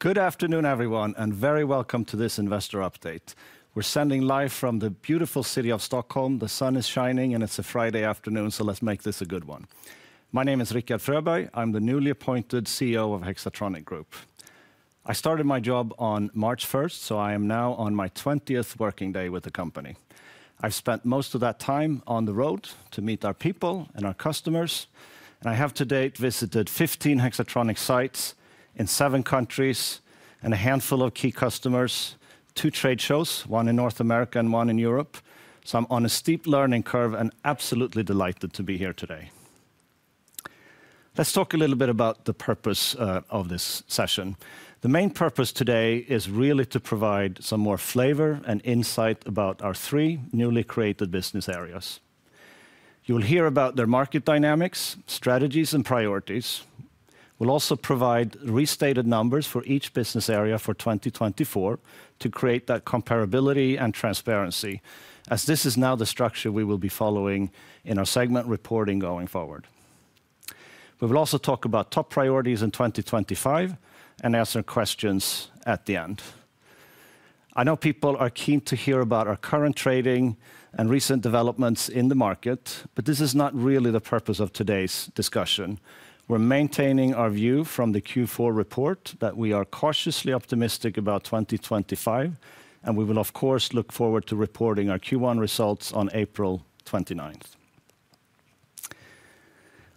Good afternoon, everyone, and very welcome to this investor update. We're sending live from the beautiful city of Stockholm. The sun is shining, and it's a Friday afternoon, so let's make this a good one. My name is Rikard Fröberg. I'm the newly appointed CEO of Hexatronic Group. I started my job on March 1, so I am now on my 20th working day with the company. I've spent most of that time on the road to meet our people and our customers. I have to date visited 15 Hexatronic sites in seven countries and a handful of key customers, two trade shows, one in North America and one in Europe. I'm on a steep learning curve and absolutely delighted to be here today. Let's talk a little bit about the purpose of this session. The main purpose today is really to provide some more flavor and insight about our three newly created business areas. You'll hear about their market dynamics, strategies, and priorities. We'll also provide restated numbers for each business area for 2024 to create that comparability and transparency, as this is now the structure we will be following in our segment reporting going forward. We will also talk about top priorities in 2025 and answer questions at the end. I know people are keen to hear about our current trading and recent developments in the market, but this is not really the purpose of today's discussion. We're maintaining our view from the Q4 report that we are cautiously optimistic about 2025, and we will, of course, look forward to reporting our Q1 results on April 29th.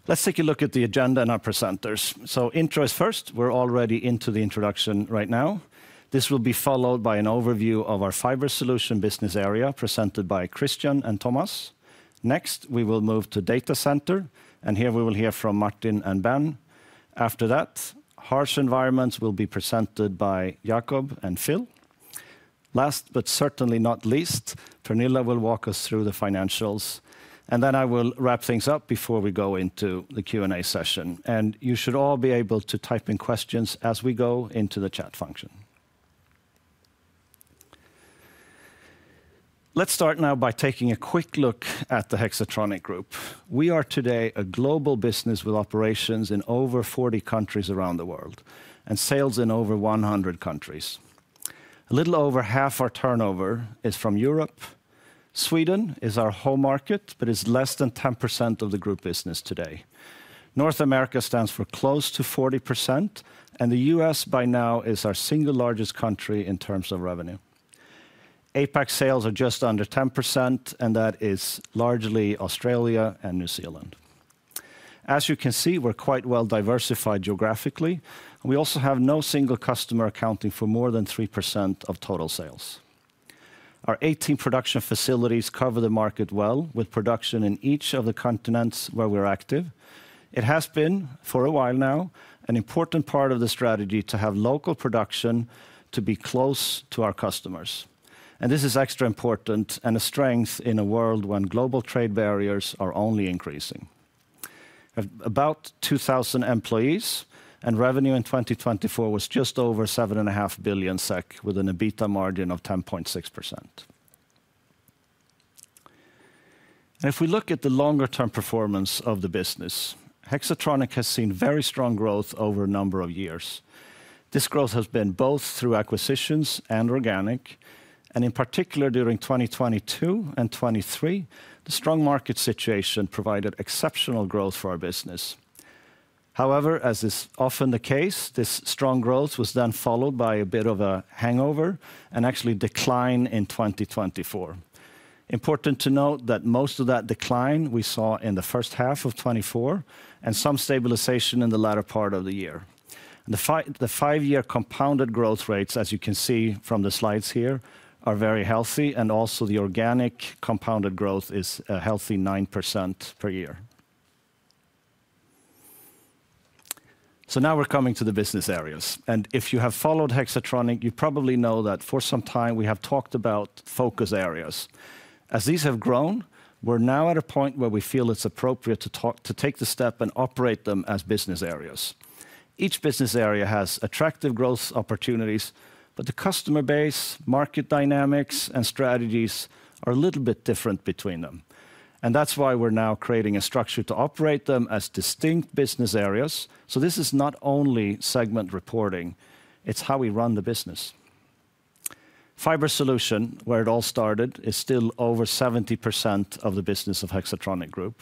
Let's take a look at the agenda and our presenters. Intro is first. We're already into the introduction right now. This will be followed by an overview of our Fiber Solution business area presented by Christian and Tomas. Next, we will move to Data Center, and here we will hear from Martin and Ben. After that, Harsh Environments will be presented by Jakob and Phil. Last but certainly not least, Pernilla will walk us through the financials. I will wrap things up before we go into the Q&A session. You should all be able to type in questions as we go into the chat function. Let's start now by taking a quick look at the Hexatronic Group. We are today a global business with operations in over 40 countries around the world and sales in over 100 countries. A little over half our turnover is from Europe. Sweden is our whole market, but it's less than 10% of the group business today. North America stands for close to 40%, and the U.S. by now is our single largest country in terms of revenue. APAC sales are just under 10%, and that is largely Australia and New Zealand. As you can see, we're quite well diversified geographically. We also have no single customer accounting for more than 3% of total sales. Our 18 production facilities cover the market well with production in each of the continents where we're active. It has been, for a while now, an important part of the strategy to have local production to be close to our customers. This is extra important and a strength in a world when global trade barriers are only increasing. We have about 2,000 employees, and revenue in 2024 was just over 7.5 billion SEK with an EBITDA margin of 10.6%. If we look at the longer-term performance of the business, Hexatronic Group has seen very strong growth over a number of years. This growth has been both through acquisitions and organic, and in particular during 2022 and 2023, the strong market situation provided exceptional growth for our business. However, as is often the case, this strong growth was then followed by a bit of a hangover and actually decline in 2024. Important to note that most of that decline we saw in the first half of 2024 and some stabilization in the latter part of the year. The five-year compounded growth rates, as you can see from the slides here, are very healthy, and also the organic compounded growth is a healthy 9% per year. Now we're coming to the business areas. If you have followed Hexatronic, you probably know that for some time we have talked about focus areas. As these have grown, we're now at a point where we feel it's appropriate to take the step and operate them as business areas. Each business area has attractive growth opportunities, but the customer base, market dynamics, and strategies are a little bit different between them. That's why we're now creating a structure to operate them as distinct business areas. This is not only segment reporting, it's how we run the business. Fiber Solutions, where it all started, is still over 70% of the business of Hexatronic Group.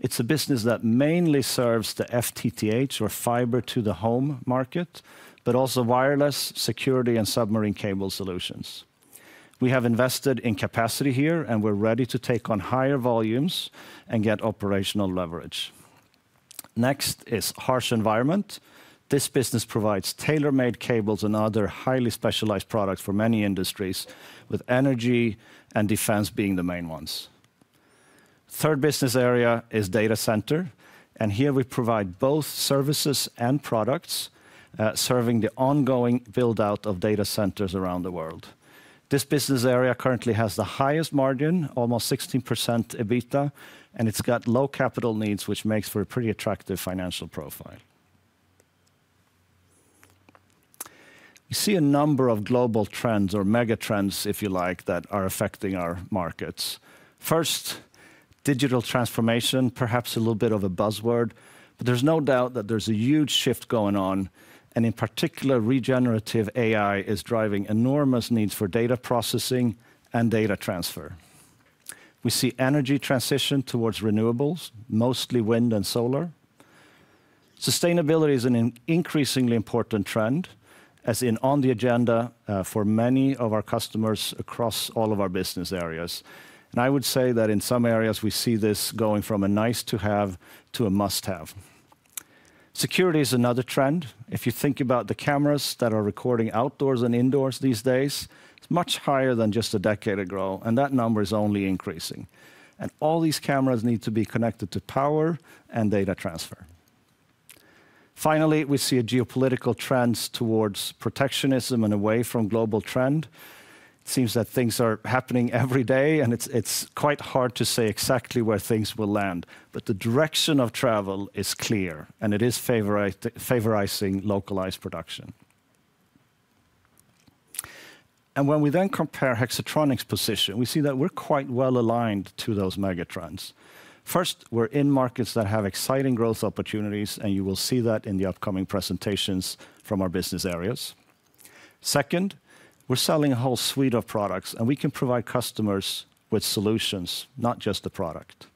It's a business that mainly serves the FTTH, or fiber to the home market, but also wireless, security, and submarine cable solutions. We have invested in capacity here, and we're ready to take on higher volumes and get operational leverage. Next is Harsh Environment. This business provides tailor-made cables and other highly specialized products for many industries, with energy and defense being the main ones. The third business area is Data Center, and here we provide both services and products serving the ongoing build-out of data centers around the world. This business area currently has the highest margin, almost 16% EBITDA, and it's got low capital needs, which makes for a pretty attractive financial profile. We see a number of global trends, or mega trends, if you like, that are affecting our markets. First, digital transformation, perhaps a little bit of a buzzword, but there's no doubt that there's a huge shift going on, and in particular, Regenerative AI is driving enormous needs for data processing and data transfer. We see energy transition towards renewables, mostly wind and solar. Sustainability is an increasingly important trend, as in on the agenda for many of our customers across all of our business areas. I would say that in some areas, we see this going from a nice-to-have to a must-have. Security is another trend. If you think about the cameras that are recording outdoors and indoors these days, it is much higher than just a decade ago, and that number is only increasing. All these cameras need to be connected to power and data transfer. Finally, we see a geopolitical trend towards protectionism and away from global trend. It seems that things are happening every day, and it is quite hard to say exactly where things will land. The direction of travel is clear, and it is favorizing localized production. When we then compare Hexatronic's position, we see that we're quite well aligned to those mega trends. First, we're in markets that have exciting growth opportunities, and you will see that in the upcoming presentations from our business areas. Second, we're selling a whole suite of products, and we can provide customers with solutions, not just the product.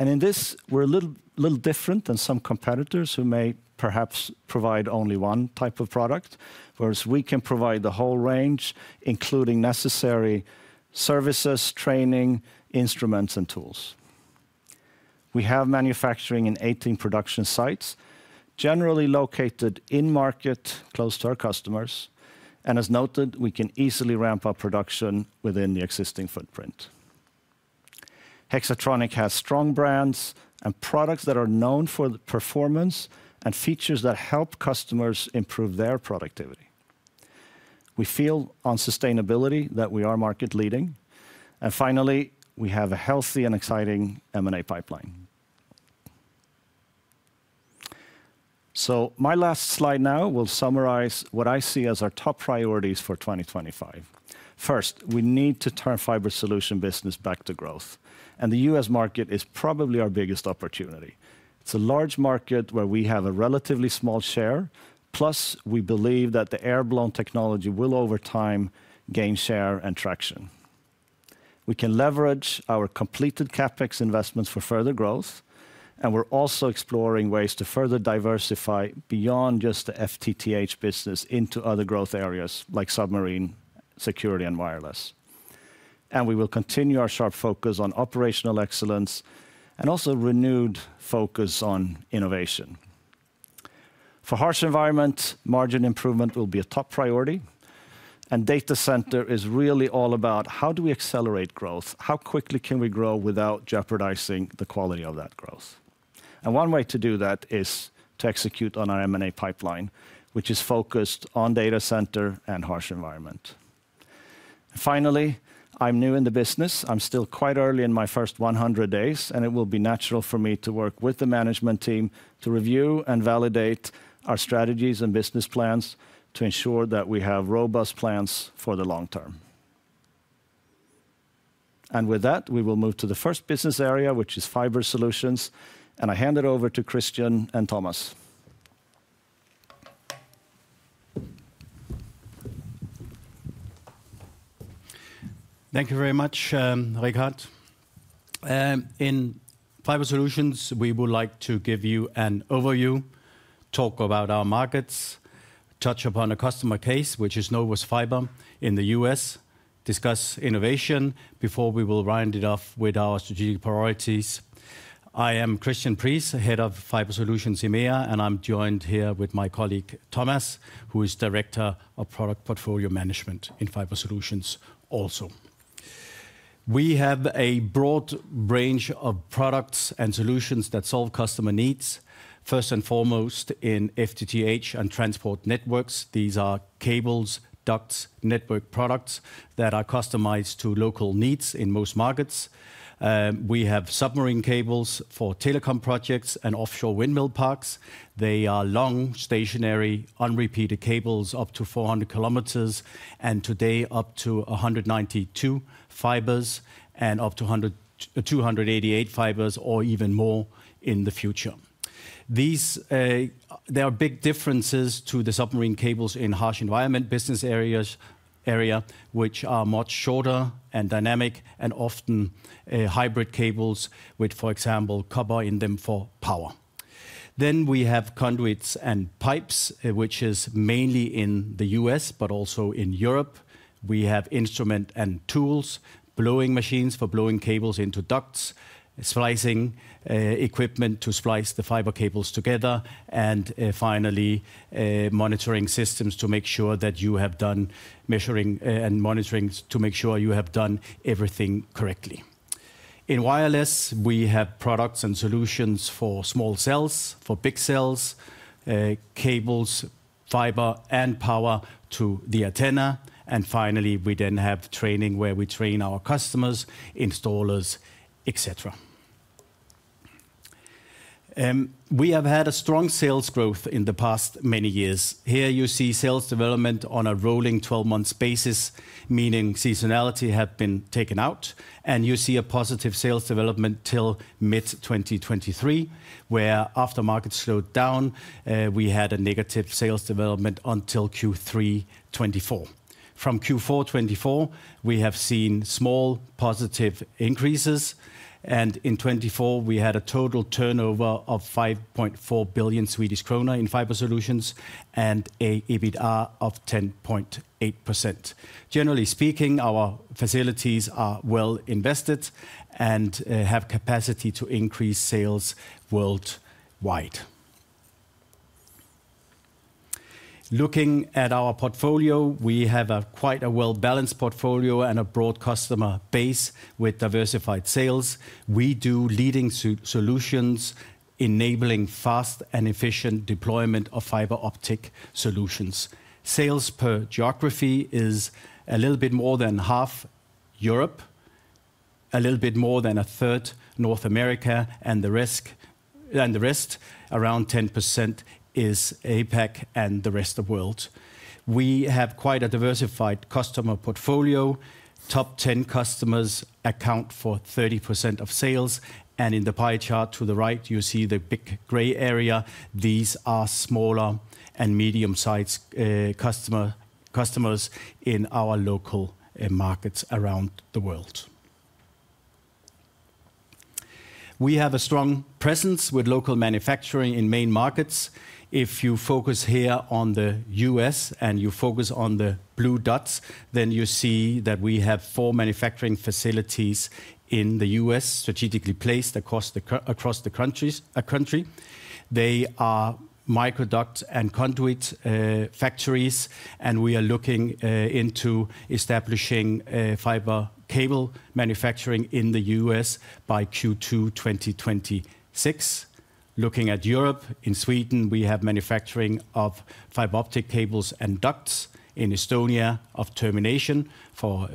In this, we're a little different than some competitors who may perhaps provide only one type of product, whereas we can provide the whole range, including necessary services, training, instruments, and tools. We have manufacturing in 18 production sites, generally located in-market, close to our customers. As noted, we can easily ramp up production within the existing footprint. Hexatronic has strong brands and products that are known for performance and features that help customers improve their productivity. We feel on sustainability that we are market-leading. Finally, we have a healthy and exciting M&A pipeline. My last slide now will summarize what I see as our top priorities for 2025. First, we need to turn Fiber Solution business back to growth, and the U.S. market is probably our biggest opportunity. It's a large market where we have a relatively small share, plus we believe that the airblown technology will over time gain share and traction. We can leverage our completed CapEx investments for further growth, and we're also exploring ways to further diversify beyond just the FTTH business into other growth areas like submarine, security, and wireless. We will continue our sharp focus on operational excellence and also renewed focus on innovation. For Harsh Environment, margin improvement will be a top priority, and data center is really all about how do we accelerate growth, how quickly can we grow without jeopardizing the quality of that growth. One way to do that is to execute on our M&A pipeline, which is focused on Data Center and Harsh Environment. Finally, I'm new in the business. I'm still quite early in my first 100 days, and it will be natural for me to work with the management team to review and validate our strategies and business plans to ensure that we have robust plans for the long term. With that, we will move to the first business area, which is Fiber Solutions, and I hand it over to Christian and Tomas. Thank you very much, Rikard. In fiber solutions, we would like to give you an overview, talk about our markets, touch upon a customer case, which is Nova's fiber in the U.S., discuss innovation before we will round it off with our strategic priorities. I am Christian Priess, Head of Fiber Solutions in EMEA, and I'm joined here with my colleague Tomas, who is Director of Product Portfolio Management in Fiber Solutions also. We have a broad range of products and solutions that solve customer needs. First and foremost, in FTTH and transport networks, these are cables, ducts, network products that are customized to local needs in most markets. We have submarine cables for telecom projects and offshore windmill parks. They are long, stationary, unrepeated cables up to 400 km, and today up to 192 fibers and up to 288 fibers or even more in the future. There are big differences to the submarine cables in harsh environment business areas, which are much shorter and dynamic and often hybrid cables with, for example, copper in them for power. We have conduits and pipes, which is mainly in the U.S., but also in Europe. We have instrument and tools, blowing machines for blowing cables into ducts, splicing equipment to splice the fiber cables together, and finally, monitoring systems to make sure that you have done measuring and monitoring to make sure you have done everything correctly. In wireless, we have products and solutions for small cells, for big cells, cables, fiber, and power to the antenna. Finally, we then have training where we train our customers, installers, etc. We have had a strong sales growth in the past many years. Here you see sales development on a rolling 12-month basis, meaning seasonality has been taken out. You see a positive sales development till mid-2023, where after markets slowed down, we had a negative sales development until Q3 2024. From Q4 2024, we have seen small positive increases. In 2024, we had a total turnover of 5.4 billion Swedish krona in Fiber Solutions and an EBITDA of 10.8%. Generally speaking, our facilities are well invested and have capacity to increase sales worldwide. Looking at our portfolio, we have quite a well-balanced portfolio and a broad customer base with diversified sales. We do leading solutions, enabling fast and efficient deployment of fiber optic solutions. Sales per geography is a little bit more than half Europe, a little bit more than a third North America, and the rest, around 10%, is APAC and the rest of the world. We have quite a diversified customer portfolio. Top 10 customers account for 30% of sales. In the pie chart to the right, you see the big gray area. These are smaller and medium-sized customers in our local markets around the world. We have a strong presence with local manufacturing in main markets. If you focus here on the U.S. and you focus on the blue dots, you see that we have four manufacturing facilities in the U.S., strategically placed across the country. They are micro duct and conduit factories, and we are looking into establishing fiber cable manufacturing in the U.S. by Q2 2026. Looking at Europe, in Sweden, we have manufacturing of fiber optic cables and ducts, in Estonia of termination for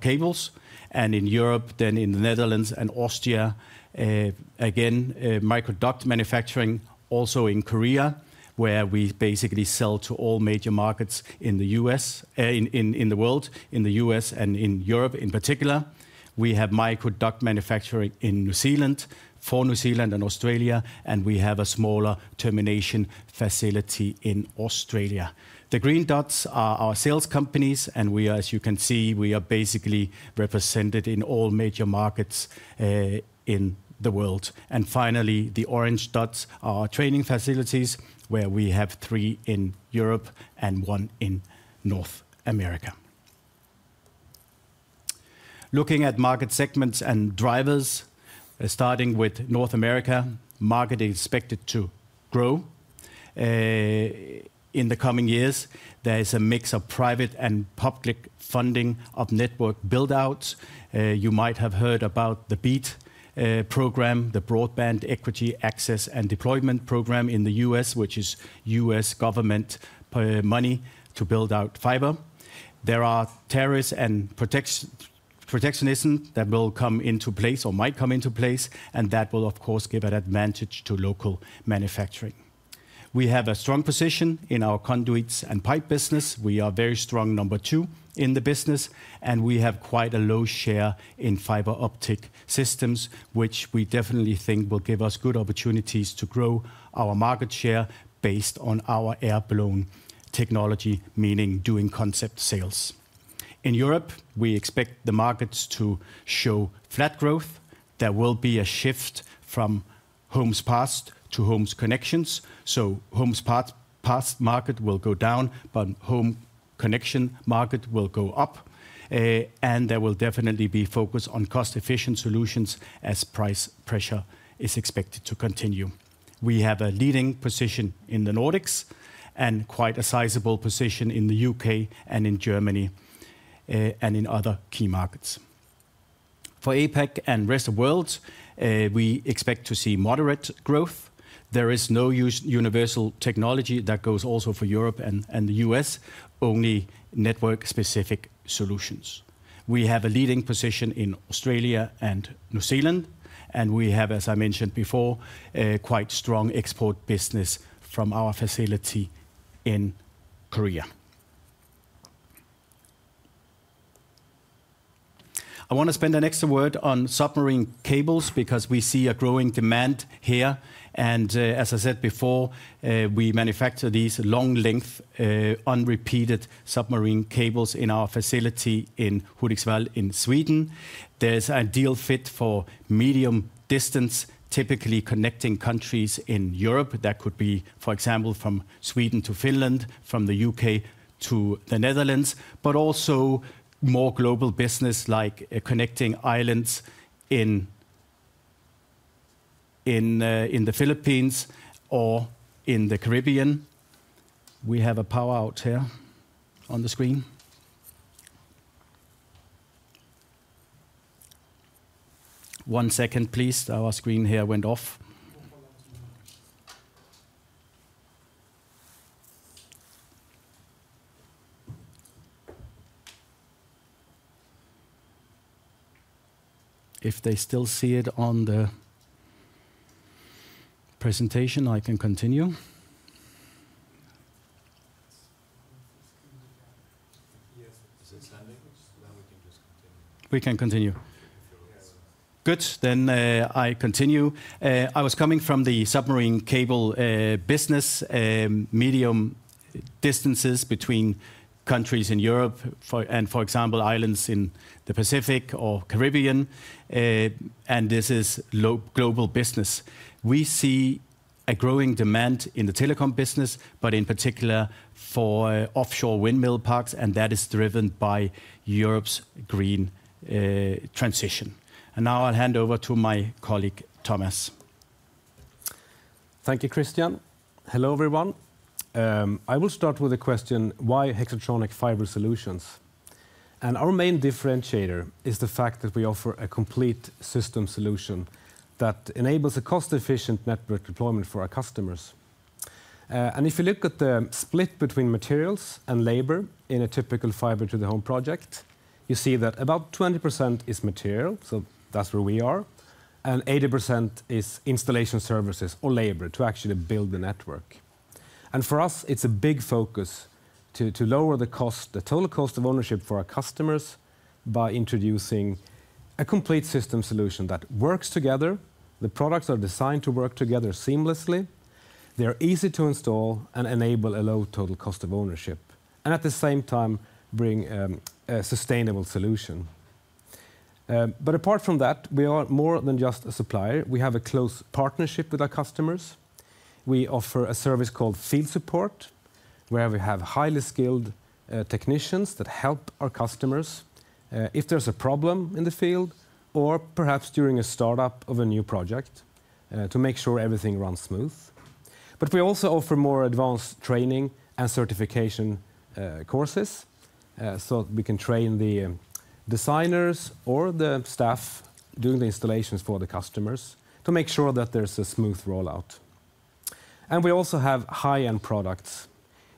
cables. In Europe, in the Netherlands and Austria, again, micro duct manufacturing, also in Korea, where we basically sell to all major markets in the world, in the U.S. and in Europe in particular. We have micro duct manufacturing in New Zealand, for New Zealand and Australia, and we have a smaller termination facility in Australia. The green dots are our sales companies, and as you can see, we are basically represented in all major markets in the world. Finally, the orange dots are training facilities, where we have three in Europe and one in North America. Looking at market segments and drivers, starting with North America, market is expected to grow in the coming years. There is a mix of private and public funding of network build-outs. You might have heard about the BEAD program, the Broadband Equity Access and Deployment program in the U.S., which is US government money to build out fiber. There are tariffs and protectionism that will come into place or might come into place, and that will, of course, give an advantage to local manufacturing. We have a strong position in our conduits and pipe business. We are very strong, number two, in the business, and we have quite a low share in fiber optic systems, which we definitely think will give us good opportunities to grow our market share based on our airblown technology, meaning doing concept sales. In Europe, we expect the markets to show flat growth. There will be a shift from homes passed to homes connections. Homes passed market will go down, but home connection market will go up. There will definitely be focus on cost-efficient solutions as price pressure is expected to continue. We have a leading position in the Nordics and quite a sizable position in the U.K. and in Germany and in other key markets. For APAC and rest of the world, we expect to see moderate growth. There is no universal technology that goes also for Europe and the U.S., only network-specific solutions. We have a leading position in Australia and New Zealand, and we have, as I mentioned before, quite strong export business from our facility in Korea. I want to spend the next word on submarine cables because we see a growing demand here. As I said before, we manufacture these long-length unrepeated submarine cables in our facility in Hudiksvall in Sweden. There is an ideal fit for medium distance, typically connecting countries in Europe. That could be, for example, from Sweden to Finland, from the U.K., to the Netherlands, but also more global business like connecting islands in the Philippines or in the Caribbean. We have a power out here on the screen. One second, please. Our screen here went off. If they still see it on the presentation, I can continue. Is it standing? Then we can just continue. We can continue. Good. I continue. I was coming from the submarine cable business, medium distances between countries in Europe and, for example, islands in the Pacific or Caribbean. This is global business. We see a growing demand in the telecom business, in particular for offshore windmill parks, and that is driven by Europe's green transition. Now I'll hand over to my colleague Tomas. Thank you, Christian. Hello, everyone. I will start with a question: why Hexatronic Fiber Solutions? Our main differentiator is the fact that we offer a complete system solution that enables a cost-efficient network deployment for our customers. If you look at the split between materials and labor in a typical fiber-to-the-home project, you see that about 20% is material, so that's where we are, and 80% is installation services or labor to actually build the network. For us, it's a big focus to lower the cost, the total cost of ownership for our customers by introducing a complete system solution that works together. The products are designed to work together seamlessly. They are easy to install and enable a low total cost of ownership, and at the same time, bring a sustainable solution. Apart from that, we are more than just a supplier. We have a close partnership with our customers. We offer a service called Field Support, where we have highly skilled technicians that help our customers if there's a problem in the field or perhaps during a startup of a new project to make sure everything runs smooth. We also offer more advanced training and certification courses so that we can train the designers or the staff doing the installations for the customers to make sure that there's a smooth rollout. We also have high-end products.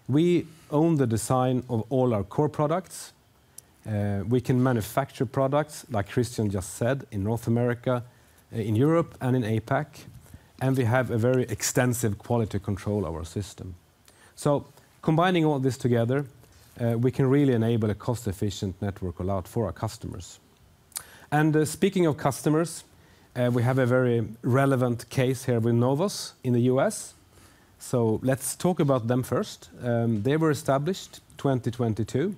We own the design of all our core products. We can manufacture products, like Christian just said, in North America, in Europe, and in APAC, and we have a very extensive quality control of our system. Combining all this together, we can really enable a cost-efficient network rollout for our customers. Speaking of customers, we have a very relevant case here with Nova in the U.S. Let's talk about them first. They were established in 2022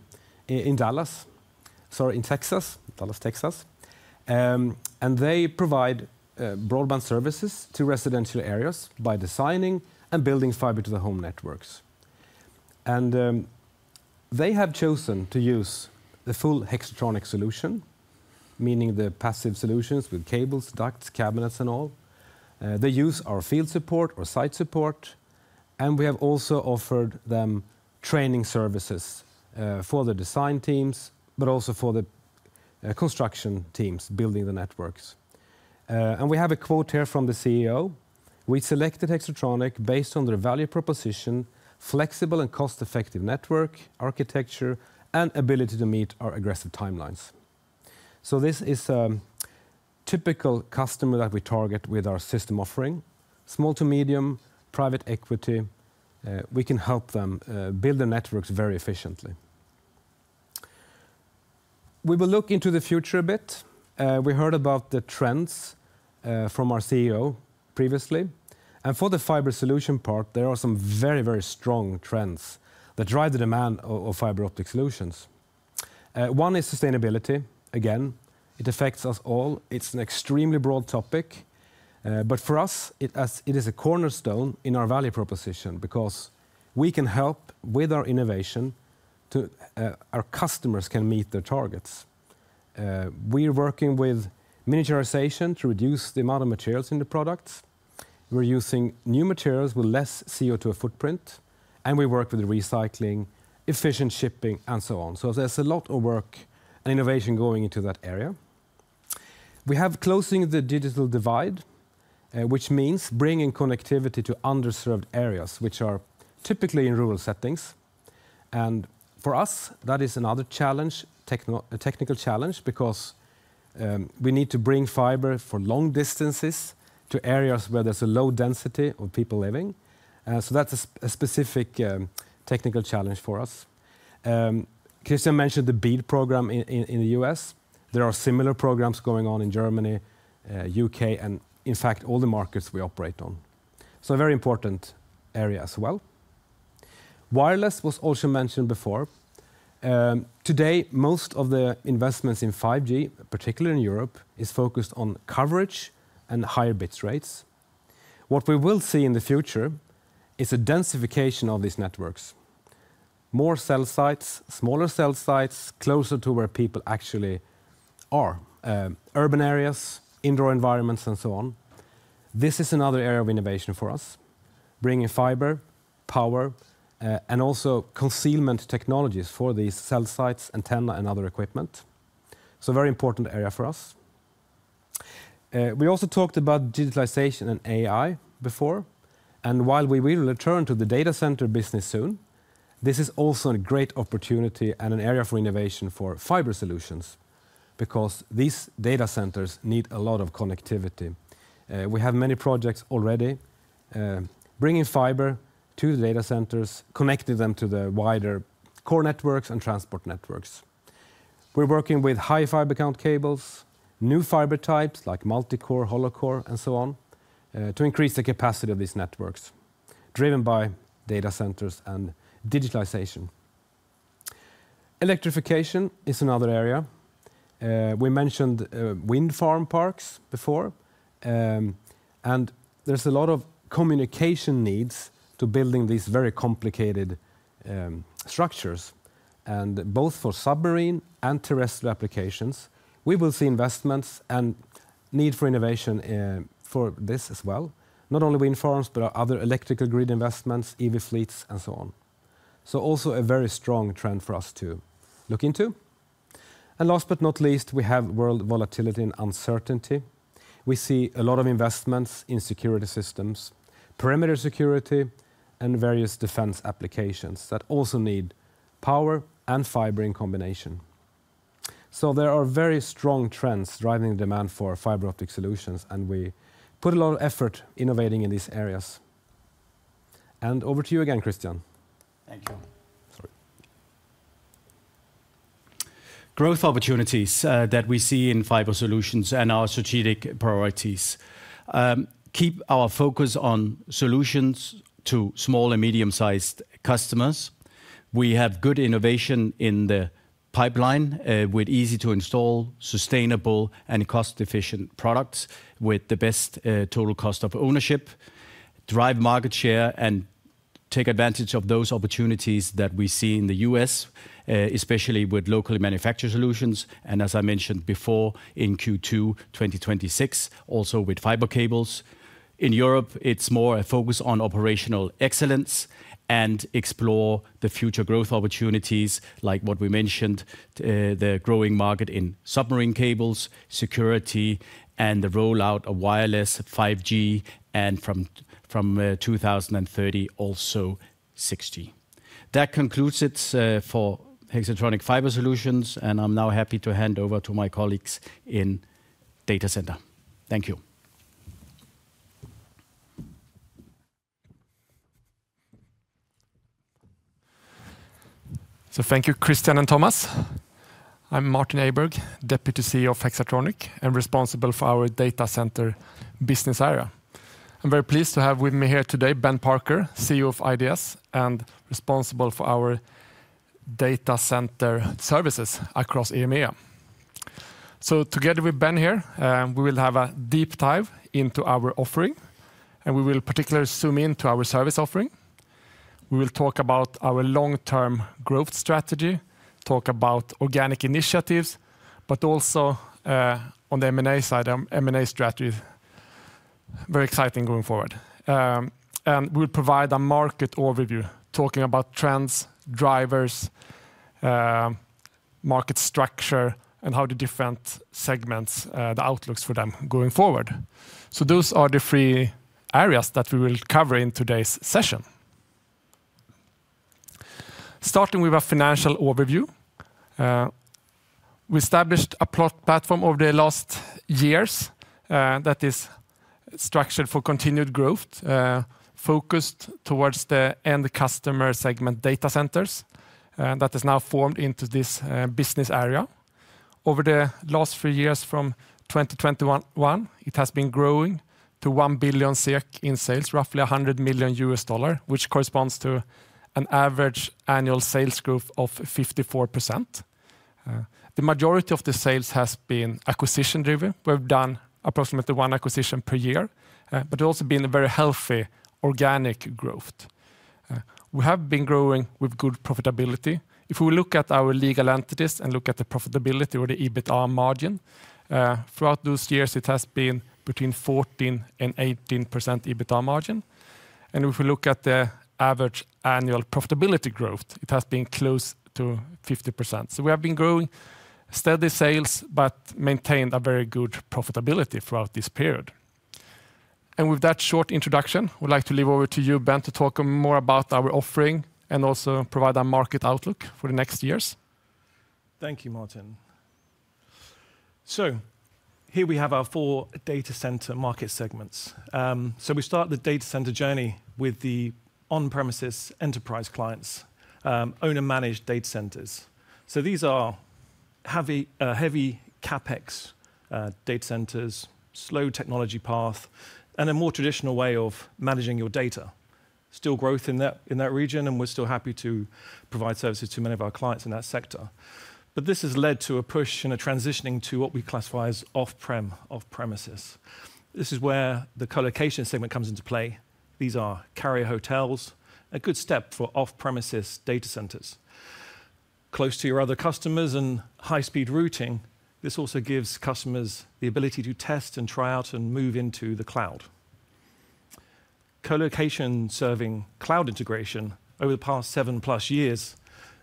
in Dallas, Texas. They provide broadband services to residential areas by designing and building fiber-to-the-home networks. They have chosen to use the full Hexatronic solution, meaning the passive solutions with cables, ducts, cabinets, and all. They use our field support or site support. We have also offered them training services for the design teams, but also for the construction teams building the networks. We have a quote here from the CEO: "We selected Hexatronic based on their value proposition, flexible and cost-effective network architecture, and ability to meet our aggressive timelines." This is a typical customer that we target with our system offering: small to medium, private equity. We can help them build their networks very efficiently. We will look into the future a bit. We heard about the trends from our CEO previously. For the fiber solution part, there are some very, very strong trends that drive the demand of fiber optic solutions. One is sustainability. Again, it affects us all. It's an extremely broad topic. For us, it is a cornerstone in our value proposition because we can help with our innovation so our customers can meet their targets. We are working with miniaturization to reduce the amount of materials in the products. We're using new materials with less CO2 footprint, and we work with recycling, efficient shipping, and so on. There's a lot of work and innovation going into that area. We have closing the digital divide, which means bringing connectivity to underserved areas, which are typically in rural settings. For us, that is another challenge, a technical challenge, because we need to bring fiber for long distances to areas where there's a low density of people living. That's a specific technical challenge for us. Christian mentioned the BEAD program in the U.S. There are similar programs going on in Germany, the U.K., and in fact, all the markets we operate on. A very important area as well. Wireless was also mentioned before. Today, most of the investments in 5G, particularly in Europe, are focused on coverage and higher bit rates. What we will see in the future is a densification of these networks: more cell sites, smaller cell sites, closer to where people actually are, urban areas, indoor environments, and so on. This is another area of innovation for us: bringing fiber, power, and also concealment technologies for these cell sites, antenna, and other equipment. A very important area for us. We also talked about digitalization and AI before. While we will return to the Data Center business soon, this is also a great opportunity and an area for innovation for Fiber Solutions because these Data Centers need a lot of connectivity. We have many projects already bringing fiber to the Data Centers, connecting them to the wider core networks and transport networks. We're working with high fiber count cables, new fiber types like multicore, hollow-core, and so on to increase the capacity of these networks driven by data centers and digitalization. Electrification is another area. We mentioned wind farm parks before, and there's a lot of communication needs to building these very complicated structures. Both for submarine and terrestrial applications, we will see investments and need for innovation for this as well. Not only wind farms, but other electrical grid investments, EV fleets, and so on. Also a very strong trend for us to look into. Last but not least, we have world volatility and uncertainty. We see a lot of investments in security systems, perimeter security, and various defense applications that also need power and fiber in combination. There are very strong trends driving demand for fiber optic solutions, and we put a lot of effort innovating in these areas. Over to you again, Christian. Thank you. Growth opportunities that we see in fiber solutions and our strategic priorities keep our focus on solutions to small and medium-sized customers. We have good innovation in the pipeline with easy-to-install, sustainable, and cost-efficient products with the best total cost of ownership, drive market share, and take advantage of those opportunities that we see in the U.S., especially with locally manufactured solutions. As I mentioned before, in Q2 2026, also with fiber cables. In Europe, it is more a focus on operational excellence and explore the future growth opportunities, like what we mentioned, the growing market in submarine cables, security, and the rollout of wireless 5G, and from 2030, also 6G. That concludes it for Hexatronic Fiber Solutions, and I am now happy to hand over to my colleagues in Data Center. Thank you. Thank you, Christian and Tomas. I'm Martin Åberg, Deputy CEO of Hexatronic and responsible for our Data Center business area. I'm very pleased to have with me here today Ben Parker, CEO of IDS and responsible for our Data Center services across EMEA. Together with Ben here, we will have a deep dive into our offering, and we will particularly zoom into our service offering. We will talk about our long-term growth strategy, talk about organic initiatives, but also on the M&A side, M&A strategy, very exciting going forward. We will provide a market overview, talking about trends, drivers, market structure, and how the different segments, the outlooks for them going forward. Those are the three areas that we will cover in today's session. Starting with a financial overview, we established a platform over the last years that is structured for continued growth, focused towards the end customer segment data centers that is now formed into this business area. Over the last three years from 2021, it has been growing to 1 billion SEK in sales, roughly $100 million, which corresponds to an average annual sales growth of 54%. The majority of the sales has been acquisition-driven. We've done approximately one acquisition per year, but it's also been a very healthy organic growth. We have been growing with good profitability. If we look at our legal entities and look at the profitability or the EBITDA margin, throughout those years, it has been between 14%-18% EBITDA margin. If we look at the average annual profitability growth, it has been close to 50%. We have been growing steady sales, but maintained a very good profitability throughout this period. With that short introduction, I would like to leave over to you, Ben, to talk more about our offering and also provide a market outlook for the next years. Thank you, Martin. Here we have our four Data Center market segments. We start the Data Center journey with the on-premises enterprise clients, owner-managed data centers. These are heavy CapEx Data Centers, slow technology path, and a more traditional way of managing your data. Still growth in that region, and we're still happy to provide services to many of our clients in that sector. This has led to a push and a transitioning to what we classify as off-prem, off-premises. This is where the colocation segment comes into play. These are carrier hotels, a good step for off-premises data centers. Close to your other customers and high-speed routing, this also gives customers the ability to test and try out and move into the cloud. Colocation serving cloud integration, over the past 7+ years,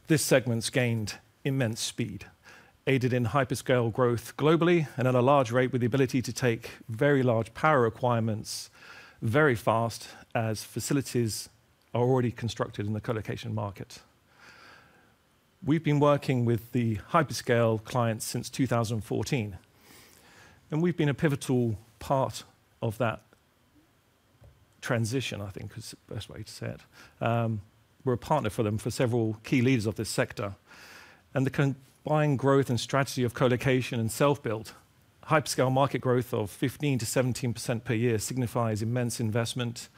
this segment's gained immense speed, aided in hyperscale growth globally and at a large rate with the ability to take very large power requirements very fast as facilities are already constructed in the colocation market. We've been working with the hyperscale clients since 2014, and we've been a pivotal part of that transition, I think is the best way to say it. We're a partner for them for several key leaders of this sector. The combined growth and strategy of colocation and self-build, hyperscale market growth of 15%-17% per year signifies immense investment,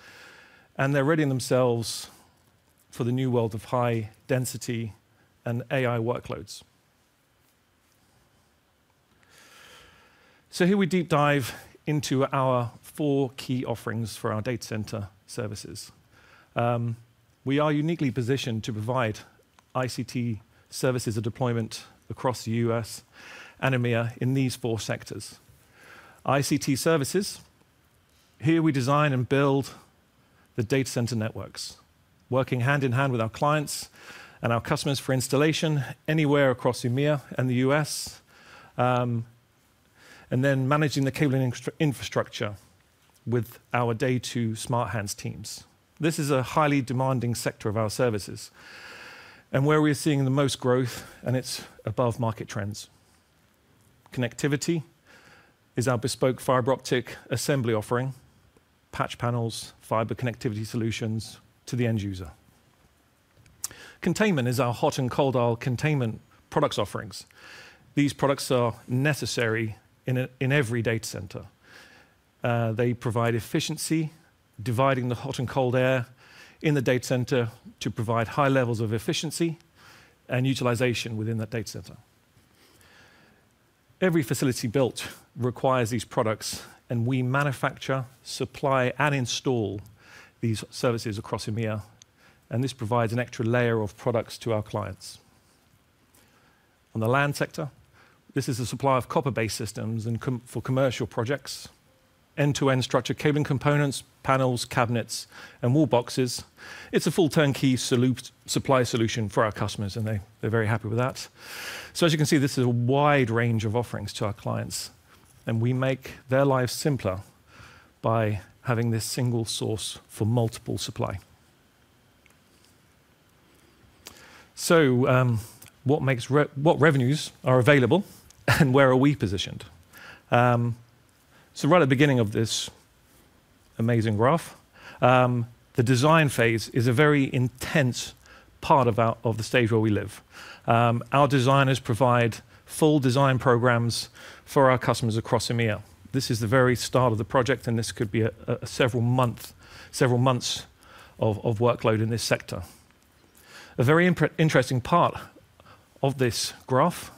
and they're readying themselves for the new world of high density and AI workloads. Here we deep dive into our four key offerings for our Data Center services. We are uniquely positioned to provide ICT services of deployment across the U.S. and EMEA in these four sectors. ICT services, here we design and build the Data Center networks, working hand in hand with our clients and our customers for installation anywhere across EMEA and the U.S., and then managing the cabling infrastructure with our day-to-day smart hands teams. This is a highly demanding sector of our services and where we're seeing the most growth, and it's above market trends. Connectivity is our bespoke fiber optic assembly offering, patch panels, fiber connectivity solutions to the end user. Containment is our hot and cold aisle containment products offerings. These products are necessary in every Data Center. They provide efficiency, dividing the hot and cold air in the Data Center to provide high levels of efficiency and utilization within that Data Center. Every facility built requires these products, and we manufacture, supply, and install these services across EMEA, and this provides an extra layer of products to our clients. On the land sector, this is the supply of copper-based systems for commercial projects, end-to-end structured cabling components, panels, cabinets, and wall boxes. It's a full-turn-key supply solution for our customers, and they're very happy with that. As you can see, this is a wide range of offerings to our clients, and we make their lives simpler by having this single source for multiple supply. What revenues are available and where are we positioned? Right at the beginning of this amazing graph, the design phase is a very intense part of the stage where we live. Our designers provide full design programs for our customers across EMEA. This is the very start of the project, and this could be several months of workload in this sector. A very interesting part of this graph,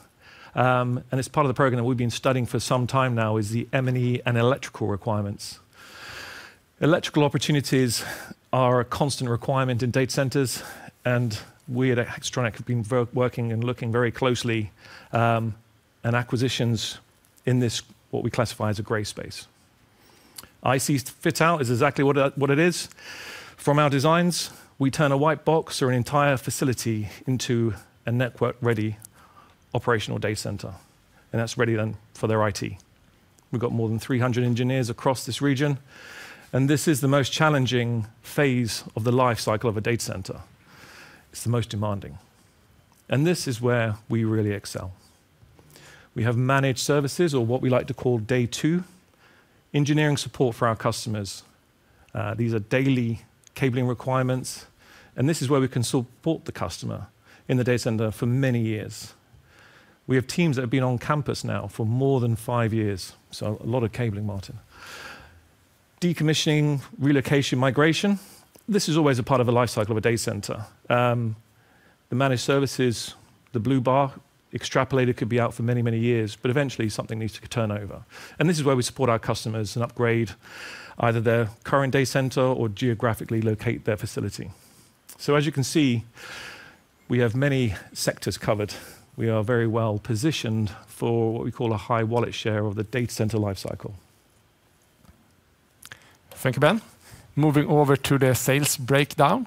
and it's part of the program that we've been studying for some time now, is the M&E and electrical requirements. Electrical opportunities are a constant requirement in Data Centers, and we at Hexatronic have been working and looking very closely at acquisitions in this, what we classify as a gray space. IC fit out is exactly what it is. From our designs, we turn a white box or an entire facility into a network-ready operational data center, and that's ready then for their IT. We've got more than 300 engineers across this region, and this is the most challenging phase of the life cycle of a Data Center. It's the most demanding, and this is where we really excel. We have managed services, or what we like to call day two, engineering support for our customers. These are daily cabling requirements, and this is where we can support the customer in the Data Center for many years. We have teams that have been on campus now for more than five years, so a lot of cabling, Martin. Decommissioning, relocation, migration, this is always a part of the life cycle of a data center. The managed services, the blue bar extrapolated, could be out for many, many years, but eventually something needs to turn over. This is where we support our customers and upgrade either their current data center or geographically locate their facility. As you can see, we have many sectors covered. We are very well positioned for what we call a high wallet share of the Data Center life cycle. Thank you, Ben. Moving over to the sales breakdown.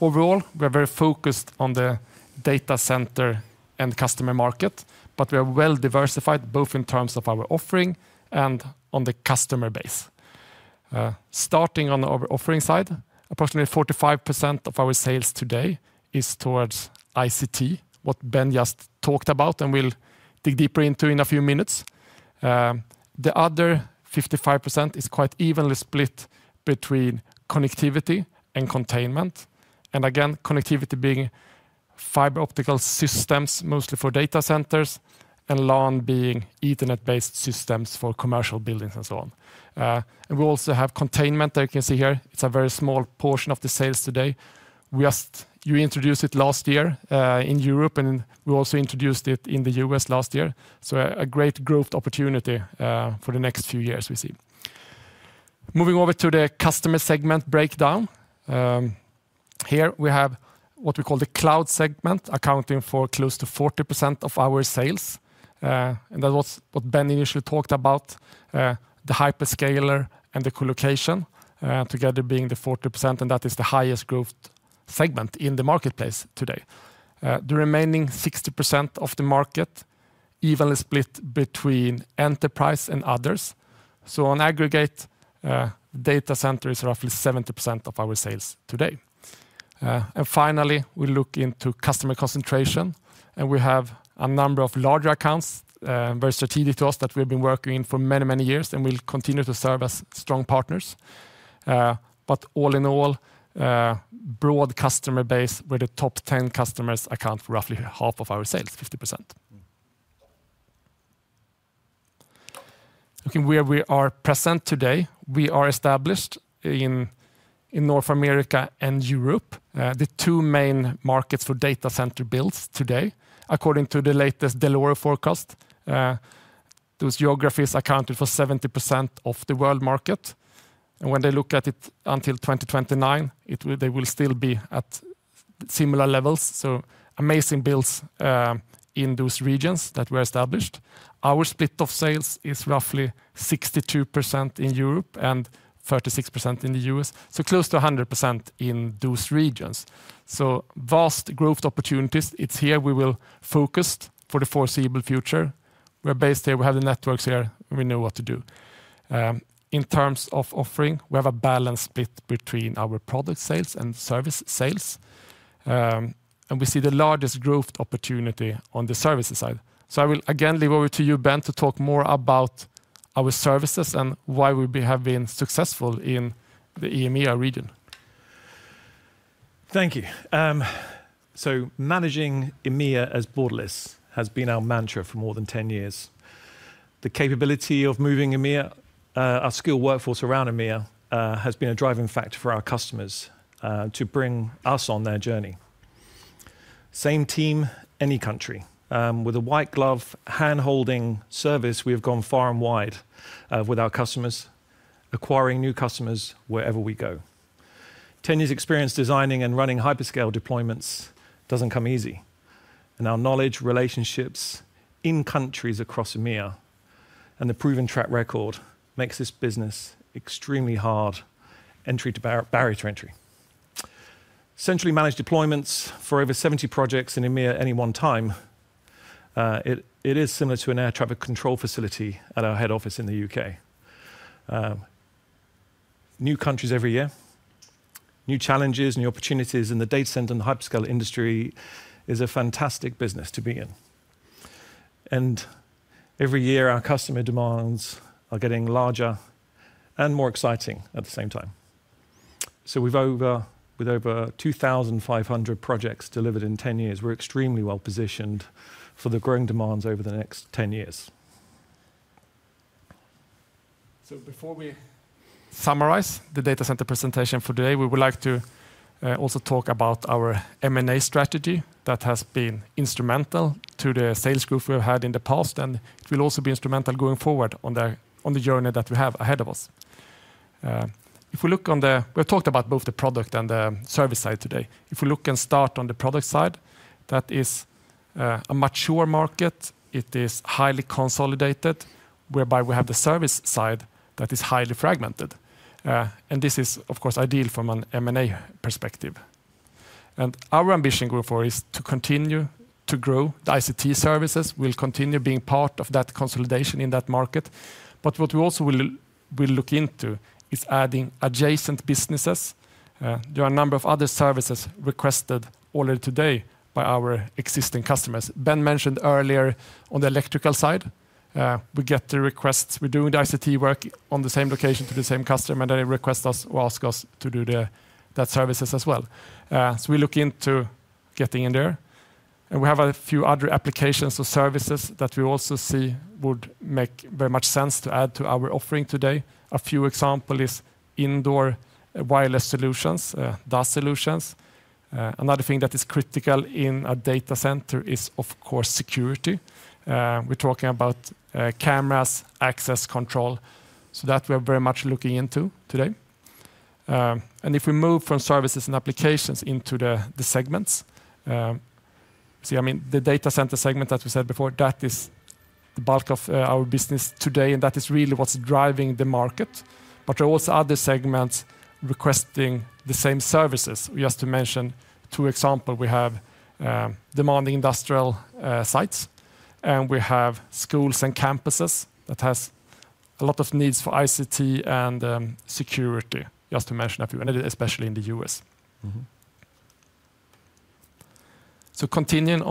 Overall, we are very focused on the Data Center and Customer Market, but we are well diversified both in terms of our offering and on the customer base. Starting on our offering side, approximately 45% of our sales today is towards ICT, what Ben just talked about and we will dig deeper into in a few minutes. The other 55% is quite evenly split between connectivity and containment. Connectivity being fiber optical systems mostly for Data Centers and LAN being Ethernet-based systems for commercial buildings and so on. We also have containment that you can see here. It is a very small portion of the sales today. You introduced it last year in Europe, and we also introduced it in the U.S., last year. A great growth opportunity for the next few years we see. Moving over to the customer segment breakdown. Here we have what we call the Cloud segment, accounting for close to 40% of our sales. That is what Ben initially talked about, the hyperscaler and the colocation, together being the 40%, and that is the highest growth segment in the marketplace today. The remaining 60% of the market is evenly split between enterprise and others. On aggregate, Data Center is roughly 70% of our sales today. Finally, we look into customer concentration, and we have a number of larger accounts, very strategic to us, that we have been working in for many, many years, and we'll continue to serve as strong partners. All in all, broad customer base with a top 10 customers account for roughly half of our sales, 50%. Looking where we are present today, we are established in North America and Europe, the two main markets for Data Center builds today. According to the latest Delora forecast, those geographies accounted for 70% of the world market. When they look at it until 2029, they will still be at similar levels. Amazing builds in those regions that we are established. Our split of sales is roughly 62% in Europe and 36% in the U.S., so close to 100% in those regions. Vast growth opportunities, it's here we will focus for the foreseeable future. We're based here, we have the networks here, we know what to do. In terms of offering, we have a balance split between our product sales and service sales, and we see the largest growth opportunity on the services side. I will again leave over to you, Ben, to talk more about our services and why we have been successful in the EMEA region. Thank you. Managing EMEA as borderless has been our mantra for more than 10 years. The capability of moving EMEA, our skilled workforce around EMEA, has been a driving factor for our customers to bring us on their journey. Same team, any country. With a white glove hand-holding service, we have gone far and wide with our customers, acquiring new customers wherever we go. Ten years experience designing and running hyperscale deployments does not come easy, and our knowledge relationships in countries across EMEA and the proven track record makes this business extremely hard barrier to entry. Centrally managed deployments for over 70 projects in EMEA at any one time. It is similar to an air traffic control facility at our head office in the U.K. New countries every year, new challenges, new opportunities in the data center and the hyperscale industry is a fantastic business to be in. Every year, our customer demands are getting larger and more exciting at the same time. With over 2,500 projects delivered in 10 years, we're extremely well positioned for the growing demands over the next 10 years. Before we summarize the Data Center presentation for today, we would like to also talk about our M&A strategy that has been instrumental to the sales growth we've had in the past, and it will also be instrumental going forward on the journey that we have ahead of us. If we look on the, we've talked about both the product and the service side today. If we look and start on the product side, that is a mature market. It is highly consolidated, whereby we have the service side that is highly fragmented. This is, of course, ideal from an M&A perspective. Our ambition going forward is to continue to grow the ICT services. We'll continue being part of that consolidation in that market. What we also will look into is adding adjacent businesses. There are a number of other services requested already today by our existing customers. Ben mentioned earlier on the electrical side, we get the requests. We're doing the ICT work on the same location to the same customer, and they request us or ask us to do that services as well. We look into getting in there, and we have a few other applications or services that we also see would make very much sense to add to our offering today. A few examples are indoor wireless solutions, DAS solutions. Another thing that is critical in a Data Center is, of course, security. We're talking about cameras, access control, so that we are very much looking into today. If we move from services and applications into the segments, I mean, the Data Center segment that we said before, that is the bulk of our business today, and that is really what's driving the market. There are also other segments requesting the same services. Just to mention two examples, we have demanding industrial sites, and we have schools and campuses that have a lot of needs for ICT and security, just to mention a few, and especially in the U.S. Continuing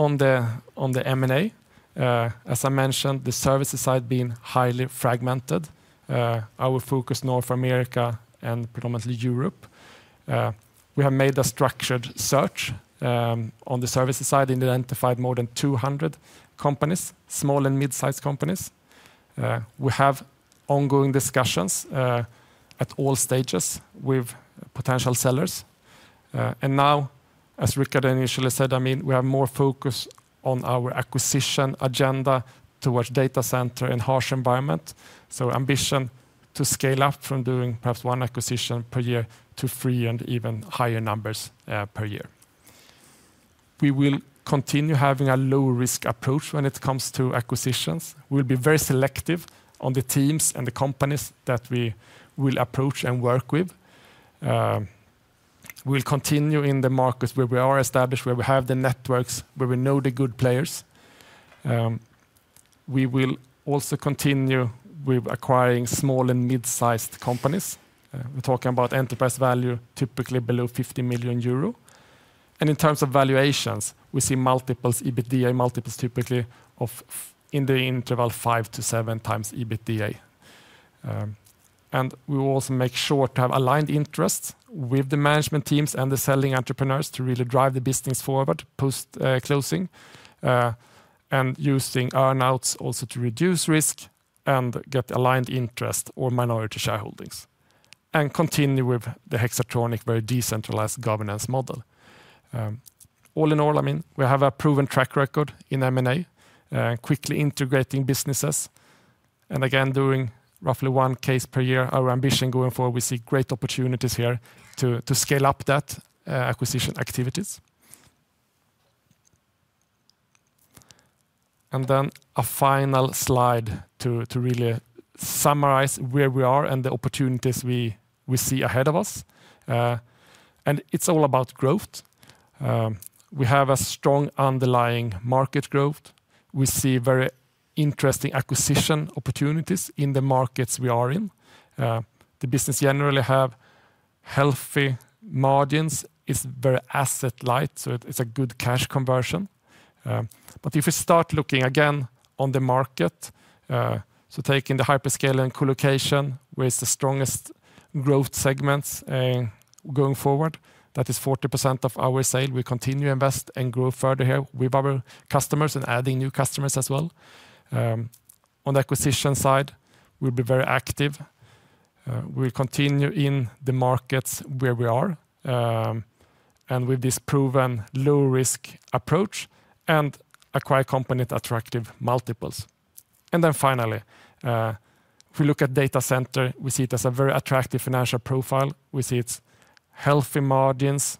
on the M&A, as I mentioned, the services side has been highly fragmented. Our focus is North America and predominantly Europe. We have made a structured search on the services side, identified more than 200 companies, small and mid-sized companies. We have ongoing discussions at all stages with potential sellers. As Rikard initially said, I mean, we have more focus on our acquisition agenda towards data center and harsh environment. Ambition to scale up from doing perhaps one acquisition per year to three and even higher numbers per year. We will continue having a low-risk approach when it comes to acquisitions. We'll be very selective on the teams and the companies that we will approach and work with. We'll continue in the market where we are established, where we have the networks, where we know the good players. We will also continue with acquiring small and mid-sized companies. We're talking about enterprise value, typically below 50 million euro. In terms of valuations, we see multiples, EBITDA multiples typically of in the interval 5x-7x EBITDA. We will also make sure to have aligned interests with the management teams and the selling entrepreneurs to really drive the business forward post-closing and using earnouts also to reduce risk and get aligned interest or minority shareholdings. Continue with the Hexatronic very decentralized governance model. All in all, I mean, we have a proven track record in M&A, quickly integrating businesses. Again, doing roughly one case per year, our ambition going forward, we see great opportunities here to scale up that acquisition activities. A final slide to really summarize where we are and the opportunities we see ahead of us. It is all about growth. We have a strong underlying market growth. We see very interesting acquisition opportunities in the markets we are in. The business generally has healthy margins. It is very Asset-light, so it is a good cash conversion. If we start looking again on the market, taking the hyperscale and colocation, where it's the strongest growth segments going forward, that is 40% of our sale. We continue to invest and grow further here with our customers and adding new customers as well. On the acquisition side, we'll be very active. We'll continue in the markets where we are and with this proven low-risk approach and acquire companies at attractive multiples. Finally, if we look at data center, we see it as a very attractive financial profile. We see its healthy margins.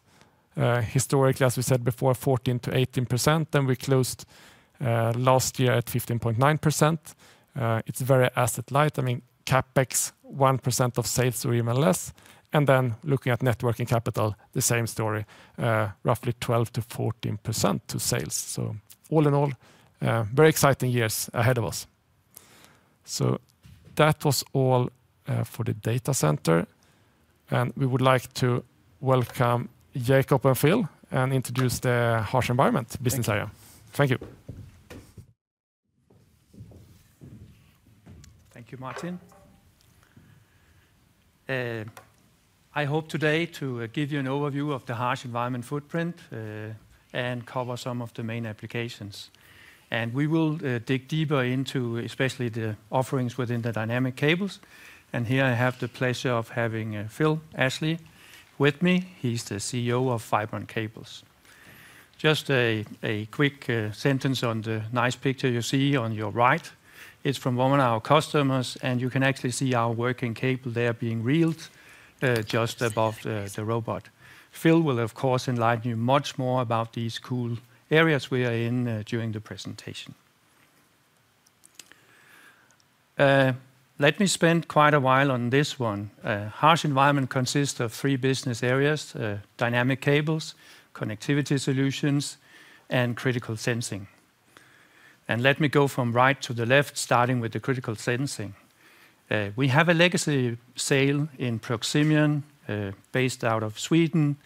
Historically, as we said before, 14%-18%, and we closed last year at 15.9%. It's very Asset-light. I mean, CapEx, 1% of sales or even less. Looking at networking capital, the same story, roughly 12%-14% to sales. All in all, very exciting years ahead of us. That was all for the Data Center. We would like to welcome Jakob and Phil and introduce the harsh environment business area. Thank you. Thank you, Martin. I hope today to give you an overview of the Harsh Environment footprint and cover some of the main applications. We will dig deeper into, especially the offerings within the dynamic cables. Here I have the pleasure of having Phil Ashley with me. He's the CEO of Fibron Cables. Just a quick sentence on the nice picture you see on your right. It's from one of our customers, and you can actually see our working cable there being reeled just above the robot. Phil will, of course, enlighten you much more about these cool areas we are in during the presentation. Let me spend quite a while on this one. Harsh environment consists of three business areas: dynamic cables, connectivity solutions, and critical sensing. Let me go from right to the left, starting with the critical sensing. We have a legacy sale in Proximion based out of Sweden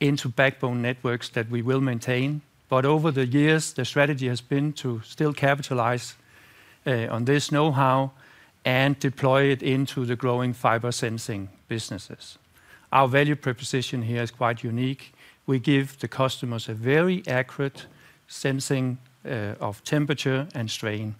into backbone networks that we will maintain. Over the years, the strategy has been to still capitalize on this know-how and deploy it into the growing fiber sensing businesses. Our value proposition here is quite unique. We give the customers a very accurate sensing of temperature and strain.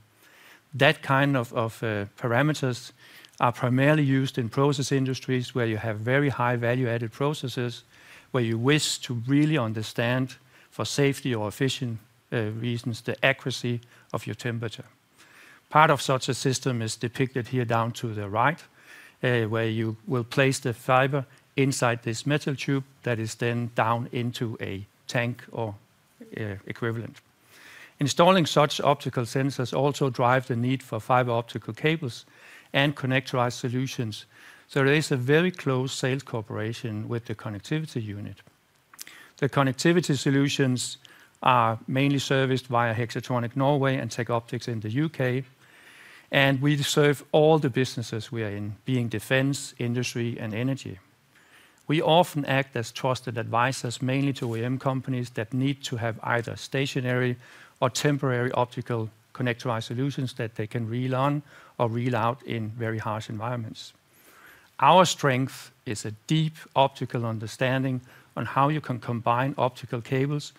That kind of parameters are primarily used in process industries where you have very high value-added processes, where you wish to really understand, for safety or efficient reasons, the accuracy of your temperature. Part of such a system is depicted here down to the right, where you will place the fiber inside this metal tube that is then down into a tank or equivalent. Installing such optical sensors also drives the need for fiber optical cables and connectorized solutions. There is a very close sales cooperation with the connectivity unit. The connectivity solutions are mainly serviced via Hexatronic Norway and Tech Optics in the U.K. We serve all the businesses we are in, being defense, industry, and energy. We often act as trusted advisors, mainly to OEM companies that need to have either stationary or temporary optical connectorized solutions that they can reel on or reel out in very harsh environments. Our strength is a deep optical understanding on how you can combine optical cables,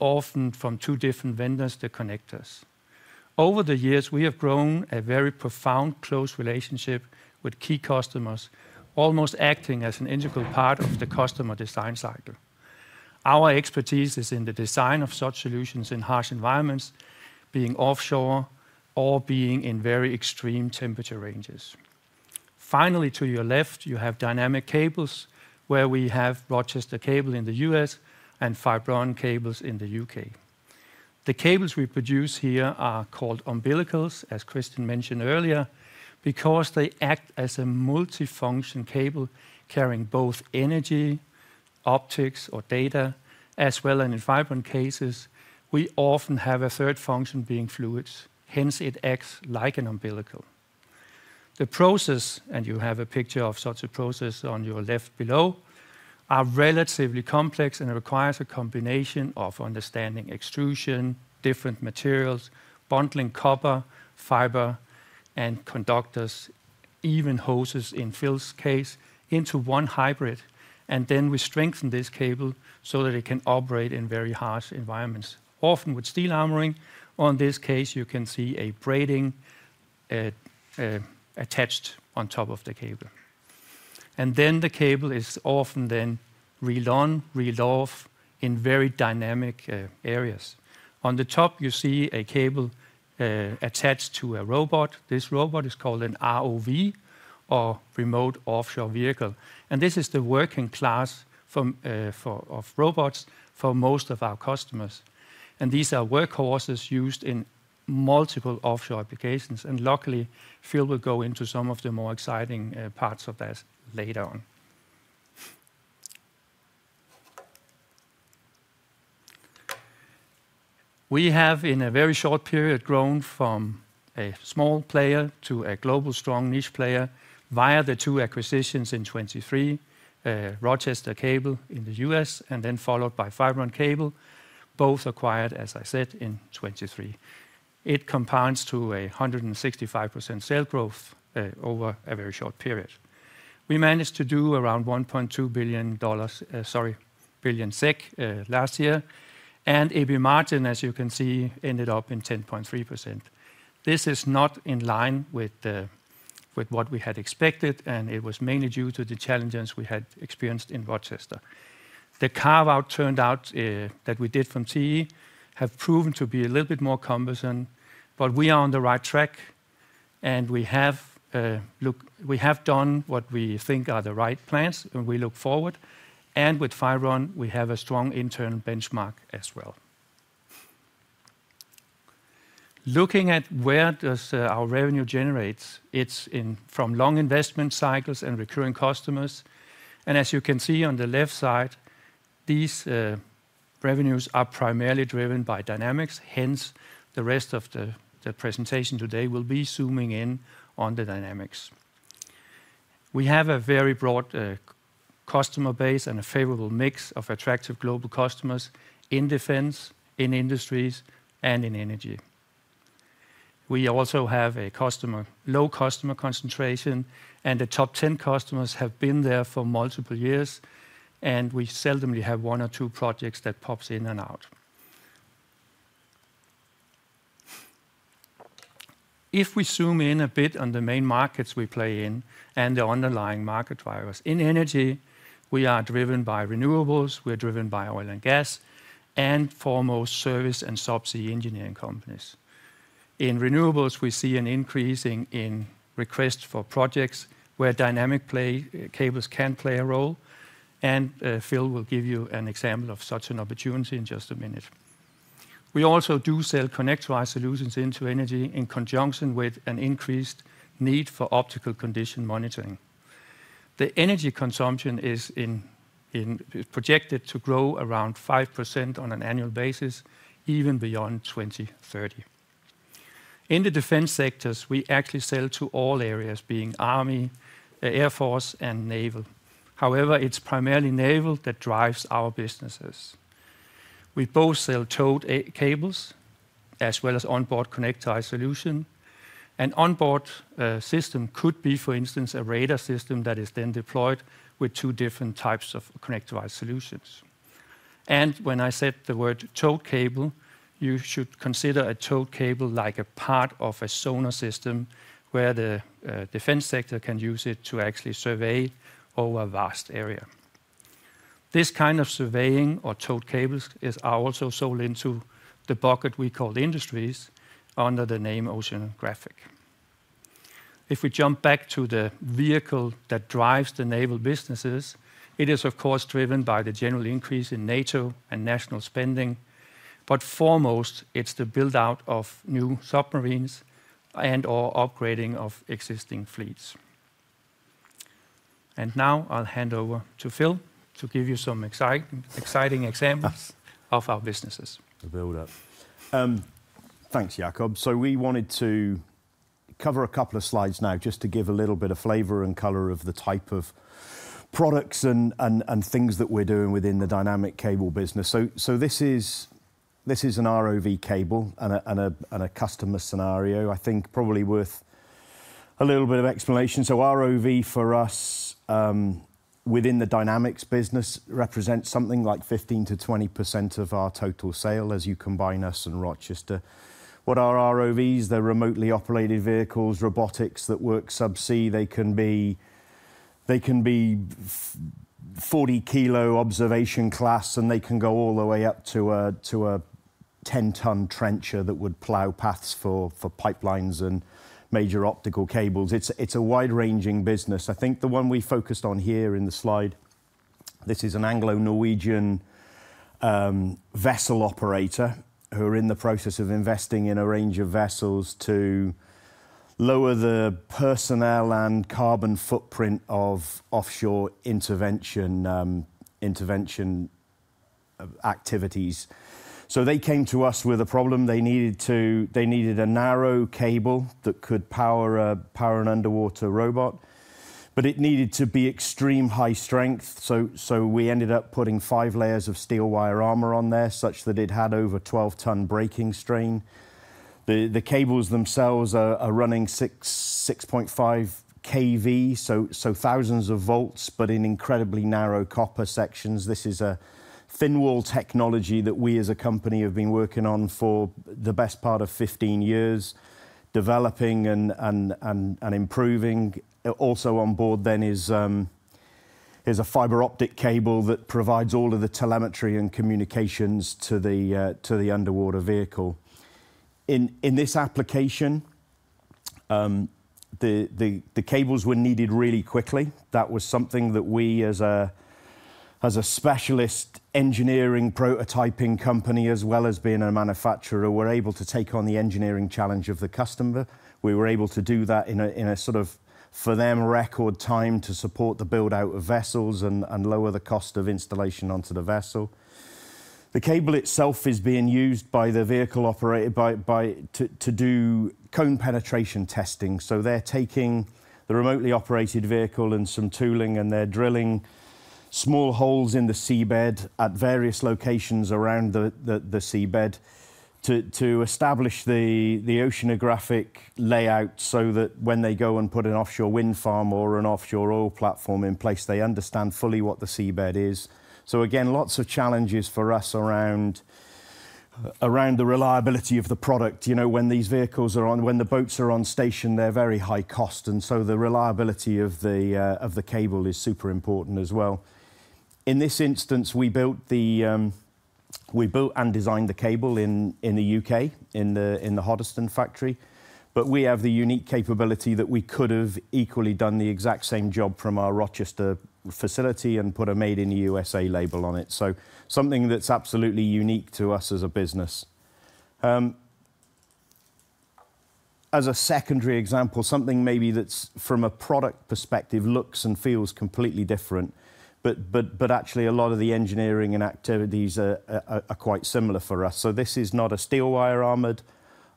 often from two different vendors, to connectors. Over the years, we have grown a very profound close relationship with key customers, almost acting as an integral part of the customer design cycle. Our expertise is in the design of such solutions in harsh environments, being offshore or being in very extreme temperature ranges. Finally, to your left, you have dynamic cables, where we have Rochester Cable in the U.S. and Fibron Cables in the U.K. The cables we produce here are called Umbilicals, as Christian mentioned earlier, because they act as a multifunction cable carrying both energy, optics, or data, as well as in Fibron cases, we often have a third function being fluids. Hence, it acts like an Umbilical. The process, and you have a picture of such a process on your left below, are relatively complex and require a combination of understanding extrusion, different materials, bundling copper, fiber, and conductors, even hoses in Phil's case, into one hybrid. We strengthen this cable so that it can operate in very harsh environments, often with steel armoring. In this case, you can see a braiding attached on top of the cable. The cable is often then reeled on, reeled off in very dynamic areas. On the top, you see a cable attached to a robot. This robot is called an ROV or remote offshore vehicle. This is the working class of robots for most of our customers. These are workhorses used in multiple offshore applications. Luckily, Phil will go into some of the more exciting parts of that later on. We have, in a very short period, grown from a small player to a global strong niche player via the two acquisitions in 2023, Rochester Cable in the U.S., and then followed by Fibron Cables, both acquired, as I said, in 2023. It compounds to a 165% sales growth over a very short period. We managed to do around SEK 1.2 billion last year. EBITDA margin, as you can see, ended up in 10.3%. This is not in line with what we had expected, and it was mainly due to the challenges we had experienced in Rochester. The carve-out that we did from TE has proven to be a little bit more cumbersome, but we are on the right track, and we have done what we think are the right plans, and we look forward. With Fibron, we have a strong internal benchmark as well. Looking at where our revenue generates, it is from long investment cycles and recurring customers. As you can see on the left side, these revenues are primarily driven by dynamics. Hence, the rest of the presentation today will be zooming in on the dynamics. We have a very broad customer base and a favorable mix of attractive global customers in defense, in industries, and in energy. We also have a low customer concentration, and the top 10 customers have been there for multiple years, and we seldomly have one or two projects that pop in and out. If we zoom in a bit on the main markets we play in and the underlying market drivers, in energy, we are driven by renewables, we're driven by oil and gas, and foremost service and subsea engineering companies. In renewables, we see an increase in requests for projects where dynamic cables can play a role, and Phil will give you an example of such an opportunity in just a minute. We also do sell connectorized solutions into energy in conjunction with an increased need for optical condition monitoring. The energy consumption is projected to grow around 5% on an annual basis, even beyond 2030. In the defense sectors, we actually sell to all areas, being Army, Air Force, and Naval. However, it is primarily Naval that drives our businesses. We both sell towed cables as well as onboard connectorized solutions. An onboard system could be, for instance, a radar system that is then deployed with two different types of connectorized solutions. When I said the word towed cable, you should consider a towed cable like a part of a sonar system where the defense sector can use it to actually survey over a vast area. This kind of surveying or towed cables is also sold into the bucket we call industries under the name Oceanographic. If we jump back to the vehicle that drives the Naval businesses, it is, of course, driven by the general increase in NATO and national spending, but foremost, it is the build-out of new submarines and/or upgrading of existing fleets. I'll hand over to Phil to give you some exciting examples of our businesses. Thanks, Jakob. We wanted to cover a couple of slides now just to give a little bit of flavor and color of the type of products and things that we're doing within the dynamic cable business. This is an ROV cable and a customer scenario, I think probably worth a little bit of explanation. ROV for us within the dynamics business represents something like 15%-20% of our total sale as you combine us and Rochester. What are ROVs? They're remotely operated vehicles, robotics that work subsea. They can be 40-kg observation class, and they can go all the way up to a 10-ton trencher that would plow paths for pipelines and major optical cables. It's a wide-ranging business. I think the one we focused on here in the slide, this is an Anglo-Norwegian vessel operator who are in the process of investing in a range of vessels to lower the personnel and carbon footprint of offshore intervention activities. They came to us with a problem. They needed a narrow cable that could power an underwater robot, but it needed to be extreme high strength. We ended up putting five layers of steel wire armor on there such that it had over 12-ton breaking strain. The cables themselves are running 6.5 kV, so thousands of volts, but in incredibly narrow copper sections. This is a thin-wall technology that we as a company have been working on for the best part of 15 years, developing and improving. Also on board then is a fiber optic cable that provides all of the telemetry and communications to the underwater vehicle. In this application, the cables were needed really quickly. That was something that we, as a specialist engineering prototyping company, as well as being a manufacturer, were able to take on the engineering challenge of the customer. We were able to do that in a sort of, for them, record time to support the build-out of vessels and lower the cost of installation onto the vessel. The cable itself is being used by the vehicle operator to do cone penetration testing. They are taking the remotely operated vehicle and some tooling, and they are drilling small holes in the seabed at various locations around the seabed to establish the oceanographic layout so that when they go and put an offshore wind farm or an offshore oil platform in place, they understand fully what the seabed is. Lots of challenges for us around the reliability of the product. When these vehicles are on, when the boats are on station, they're very high cost. The reliability of the cable is super important as well. In this instance, we built and designed the cable in the U.K., in the Hoddesdon factory, but we have the unique capability that we could have equally done the exact same job from our Rochester facility and put a made-in-USA label on it. That is something that's absolutely unique to us as a business. As a secondary example, something maybe that's from a product perspective looks and feels completely different, but actually a lot of the engineering and activities are quite similar for us. This is not a steel wire armored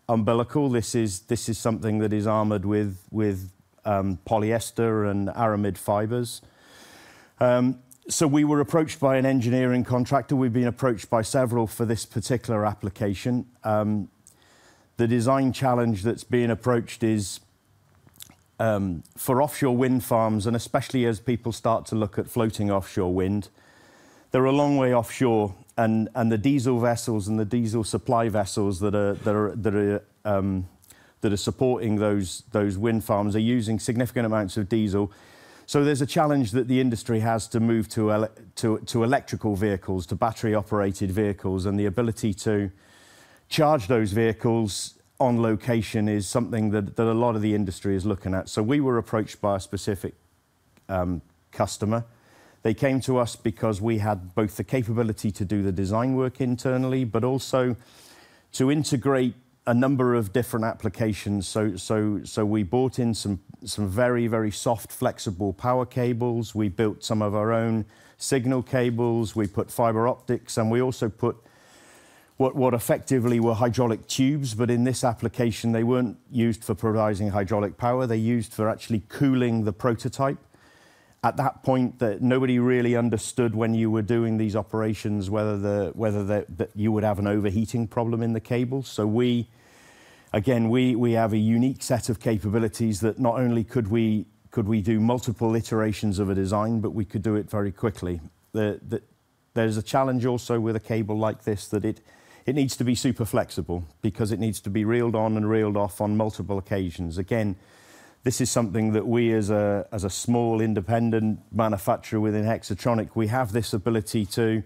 umbilical. This is something that is armored with polyester and aramid fibers. We were approached by an engineering contractor. We've been approached by several for this particular application. The design challenge that's being approached is for offshore wind farms, especially as people start to look at floating offshore wind. They're a long way offshore. The diesel vessels and the diesel supply vessels that are supporting those wind farms are using significant amounts of diesel. There's a challenge that the industry has to move to electrical vehicles, to battery-operated vehicles. The ability to charge those vehicles on location is something that a lot of the industry is looking at. We were approached by a specific customer. They came to us because we had both the capability to do the design work internally, but also to integrate a number of different applications. We brought in some very, very soft, flexible power cables. We built some of our own signal cables. We put fiber optics. We also put what effectively were hydraulic tubes, but in this application, they were not used for providing hydraulic power. They are used for actually cooling the prototype. At that point, nobody really understood when you were doing these operations whether you would have an overheating problem in the cable. Again, we have a unique set of capabilities that not only could we do multiple iterations of a design, but we could do it very quickly. There is a challenge also with a cable like this that it needs to be super flexible because it needs to be reeled on and reeled off on multiple occasions. This is something that we, as a small independent manufacturer within Hexatronic, have this ability to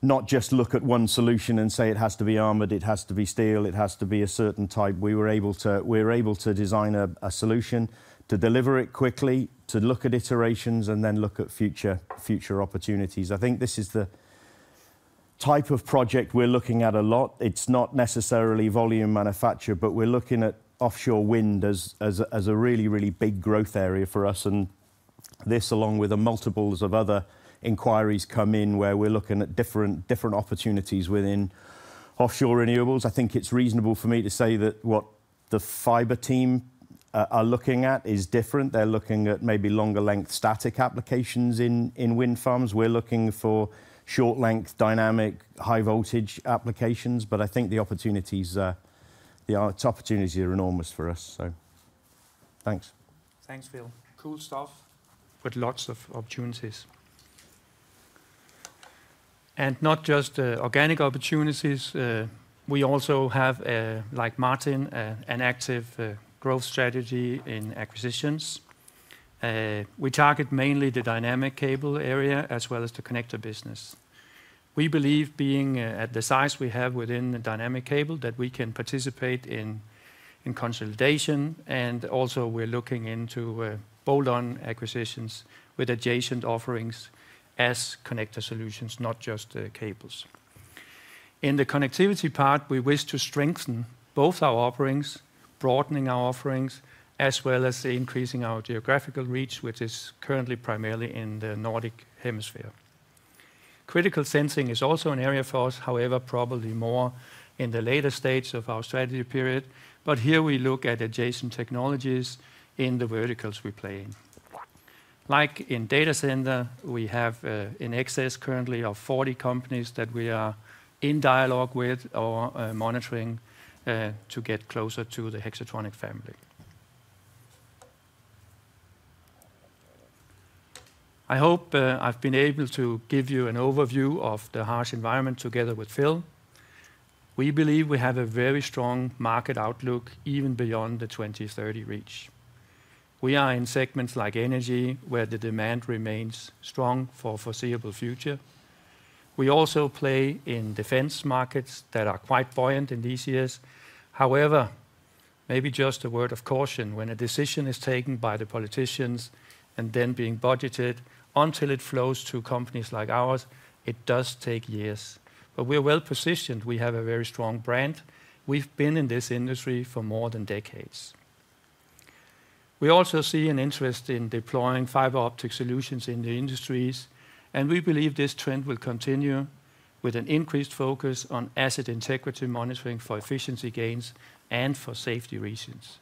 not just look at one solution and say it has to be armored, it has to be steel, it has to be a certain type. We were able to design a solution to deliver it quickly, to look at iterations, and then look at future opportunities. I think this is the type of project we're looking at a lot. It's not necessarily volume manufacture, but we're looking at offshore wind as a really, really big growth area for us. This, along with multiples of other inquiries, come in where we're looking at different opportunities within offshore renewables. I think it's reasonable for me to say that what the fiber team are looking at is different. They're looking at maybe longer-length static applications in wind farms. We're looking for short-length, dynamic, high-voltage applications. I think the opportunities are enormous for us. Thanks. Thanks, Phil. Cool stuff, but lots of opportunities. Not just organic opportunities. We also have, like Martin, an active growth strategy in acquisitions. We target mainly the dynamic cable area as well as the connector business. We believe, being at the size we have within the dynamic cable, that we can participate in consolidation. We are also looking into bolt-on acquisitions with adjacent offerings as connector solutions, not just cables. In the connectivity part, we wish to strengthen both our offerings, broadening our offerings, as well as increasing our geographical reach, which is currently primarily in the Nordic hemisphere. Critical sensing is also an area for us, however, probably more in the later stage of our strategy period. Here, we look at adjacent technologies in the verticals we play in. Like in Data Center, we have an excess currently of 40 companies that we are in dialogue with or monitoring to get closer to the Hexatronic family. I hope I've been able to give you an overview of the Harsh Environment together with Phil. We believe we have a very strong market outlook even beyond the 2030 reach. We are in segments like energy where the demand remains strong for a foreseeable future. We also play in defense markets that are quite buoyant in these years. However, maybe just a word of caution, when a decision is taken by the politicians and then being budgeted until it flows to companies like ours, it does take years. We are well positioned. We have a very strong brand. We've been in this industry for more than decades. We also see an interest in deploying Fiber Optic Solutions in the industries. We believe this trend will continue with an increased focus on asset integrity monitoring for efficiency gains and for safety reasons.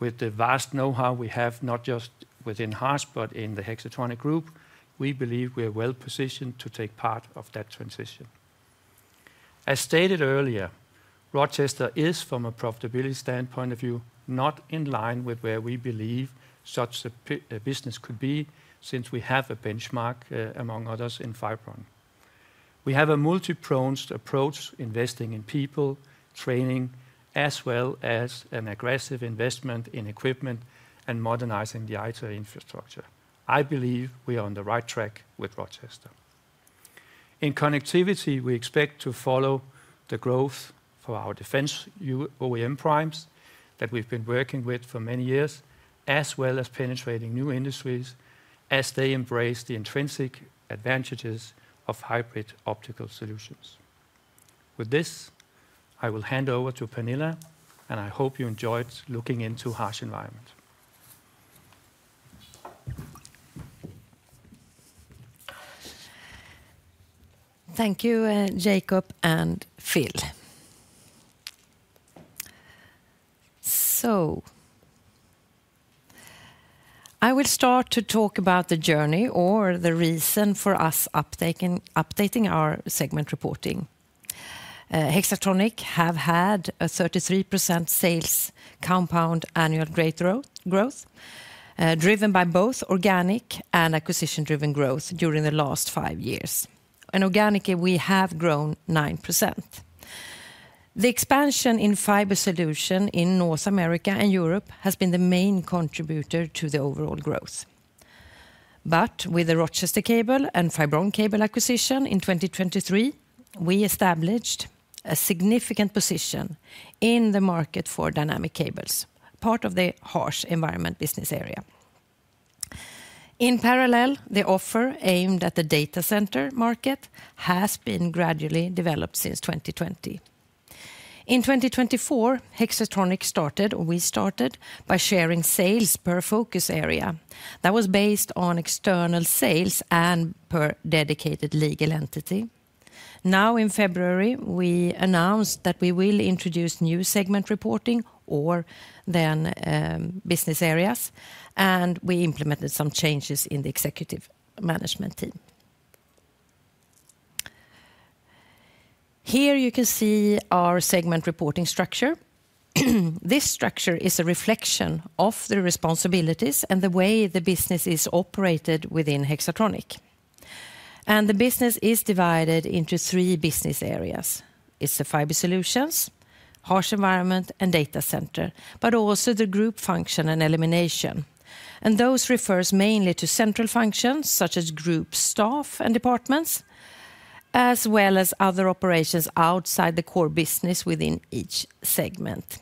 With the vast know-how we have, not just within HAAS, but in the Hexatronic Group, we believe we are well positioned to take part of that transition. As stated earlier, Rochester is, from a profitability standpoint of view, not in line with where we believe such a business could be since we have a benchmark, among others, in fiber. We have a multi-pronged approach, investing in people, training, as well as an aggressive investment in equipment and modernizing the IT infrastructure. I believe we are on the right track with Rochester. In connectivity, we expect to follow the growth for our defense OEM primes that we've been working with for many years, as well as penetrating new industries as they embrace the intrinsic advantages of hybrid optical solutions. With this, I will hand over to Pernilla, and I hope you enjoyed looking into Harsh Environment. Thank you, Jakob and Phil. I will start to talk about the journey or the reason for us updating our segment reporting Hexatronic have had a 33% sales compound annual growth driven by both organic and acquisition-driven growth during the last five years. Organically, we have grown 9%. The expansion in fiber solutions in North America and Europe has been the main contributor to the overall growth. With the Rochester Cable and FiberOn Cable acquisition in 2023, we established a significant position in the market for dynamic cables, part of the Harsh Environment business area. In parallel, the offer aimed at the Data Center market has been gradually developed since 2020. In 2024, Hexatronic started, or we started, by sharing sales per focus area. That was based on external sales and per dedicated legal entity. Now, in February, we announced that we will introduce new segment reporting or then business areas, and we implemented some changes in the executive management team. Here you can see our segment reporting structure. This structure is a reflection of the responsibilities and the way the business is operated within Hexatronic. The business is divided into three business areas. It's the fiber solutions, harsh environment, and data center, but also the group function and elimination. Those refer mainly to central functions such as group staff and departments, as well as other operations outside the core business within each segment.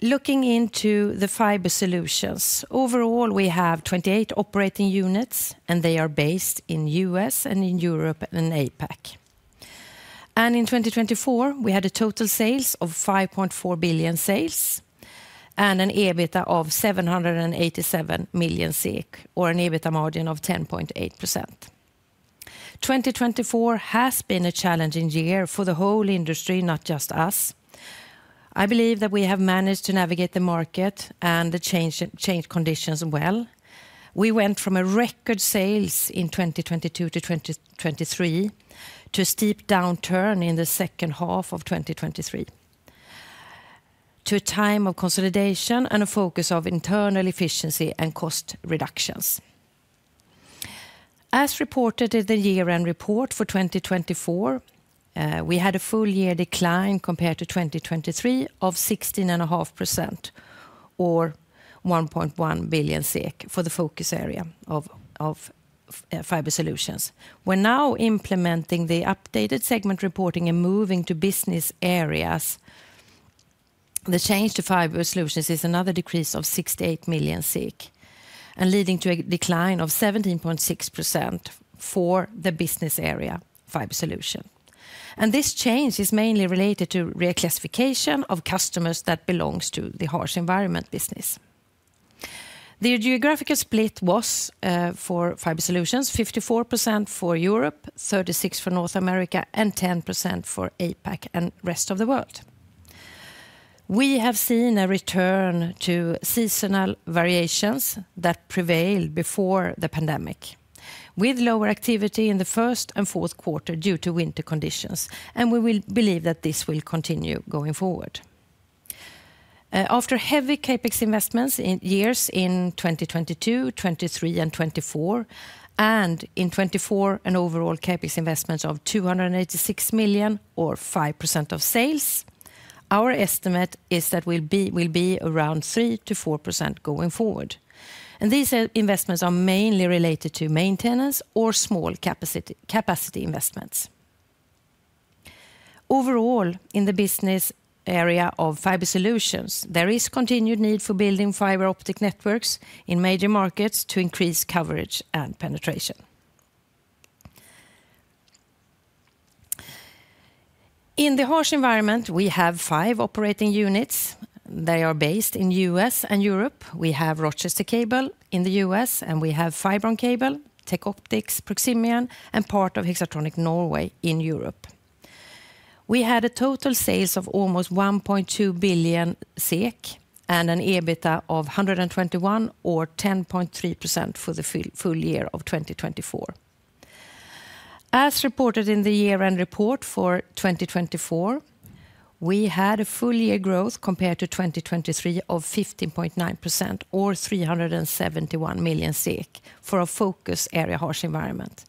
Looking into the fiber solutions, overall, we have 28 operating units, and they are based in the U.S. and in Europe and APAC. In 2024, we had a total sales of 5.4 billion sales and an EBITDA of 787 million SEK, or an EBITDA margin of 10.8%. 2024 has been a challenging year for the whole industry, not just us. I believe that we have managed to navigate the market and the change conditions well. We went from a record sales in 2022-2023 to a steep downturn in the second half of 2023, to a time of consolidation and a focus on internal efficiency and cost reductions. As reported in the year-end report for 2024, we had a full year decline compared to 2023 of 16.5%, or 1.1 billion SEK for the focus area of Fiber Solutions. We are now implementing the updated segment reporting and moving to business areas. The change to Fiber Solutions is another decrease of 68 million and leading to a decline of 17.6% for the business area Fiber Solutions. This change is mainly related to reclassification of customers that belong to the Harsh Environment business. The geographical split was for Fiber Solutions: 54% for Europe, 36% for North America, and 10% for APAC and the rest of the world. We have seen a return to seasonal variations that prevailed before the pandemic, with lower activity in the first and fourth quarter due to winter conditions. We believe that this will continue going forward. After heavy CapEx investments in years in 2022, 2023, and 2024, and in 2024, an overall CapEx investment of 286 million, or 5% of sales, our estimate is that we'll be around 3%-4% going forward. These investments are mainly related to maintenance or small capacity investments. Overall, in the business area of fiber solutions, there is continued need for building fiber optic networks in major markets to increase coverage and penetration. In the harsh environment, we have five operating units. They are based in the U.S., and Europe. We have Rochester Cable in the U.S., and we have FiberOn Cable, Tech Optics, Proximion, and part of Hexatronic Norway in Europe. We had a total sales of almost 1.2 billion SEK and an EBITDA of 121 million, or 10.3%, for the full year of 2024. As reported in the year-end report for 2024, we had a full year growth compared to 2023 of 15.9%, or 371 million SEK, for our focus area harsh environment.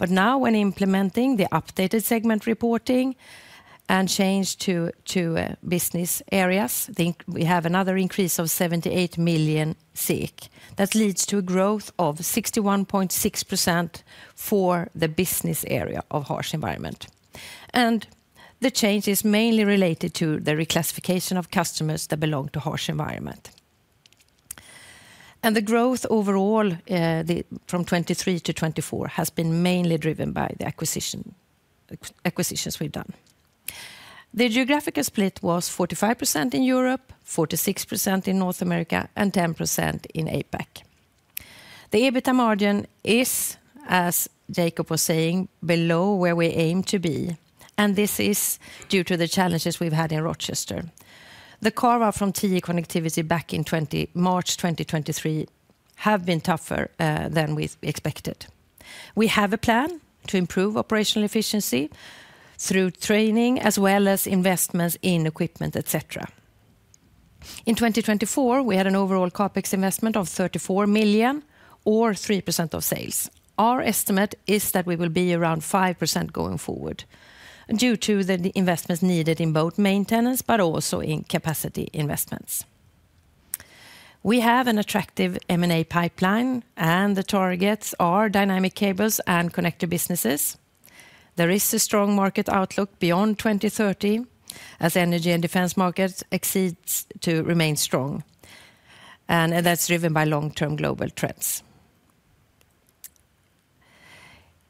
Now, when implementing the updated segment reporting and change to business areas, we have another increase of 78 million. That leads to a growth of 61.6% for the business area of Harsh Environment. The change is mainly related to the reclassification of customers that belong to harsh environment. The growth overall from 2023 to 2024 has been mainly driven by the acquisitions we've done. The geographical split was 45% in Europe, 46% in North America, and 10% in APAC. The EBITDA margin is, as Jakob was saying, below where we aim to be. This is due to the challenges we've had in Rochester. The carve-out from TE Connectivity back in March 2023 has been tougher than we expected. We have a plan to improve operational efficiency through training, as well as investments in equipment, etc. In 2024, we had an overall CapEx investment of $34 million, or 3% of sales. Our estimate is that we will be around 5% going forward due to the investments needed in both maintenance, but also in capacity investments. We have an attractive M&A pipeline, and the targets are dynamic cables and connector businesses. There is a strong market outlook beyond 2030 as energy and defense markets exceed to remain strong. That is driven by long-term global trends.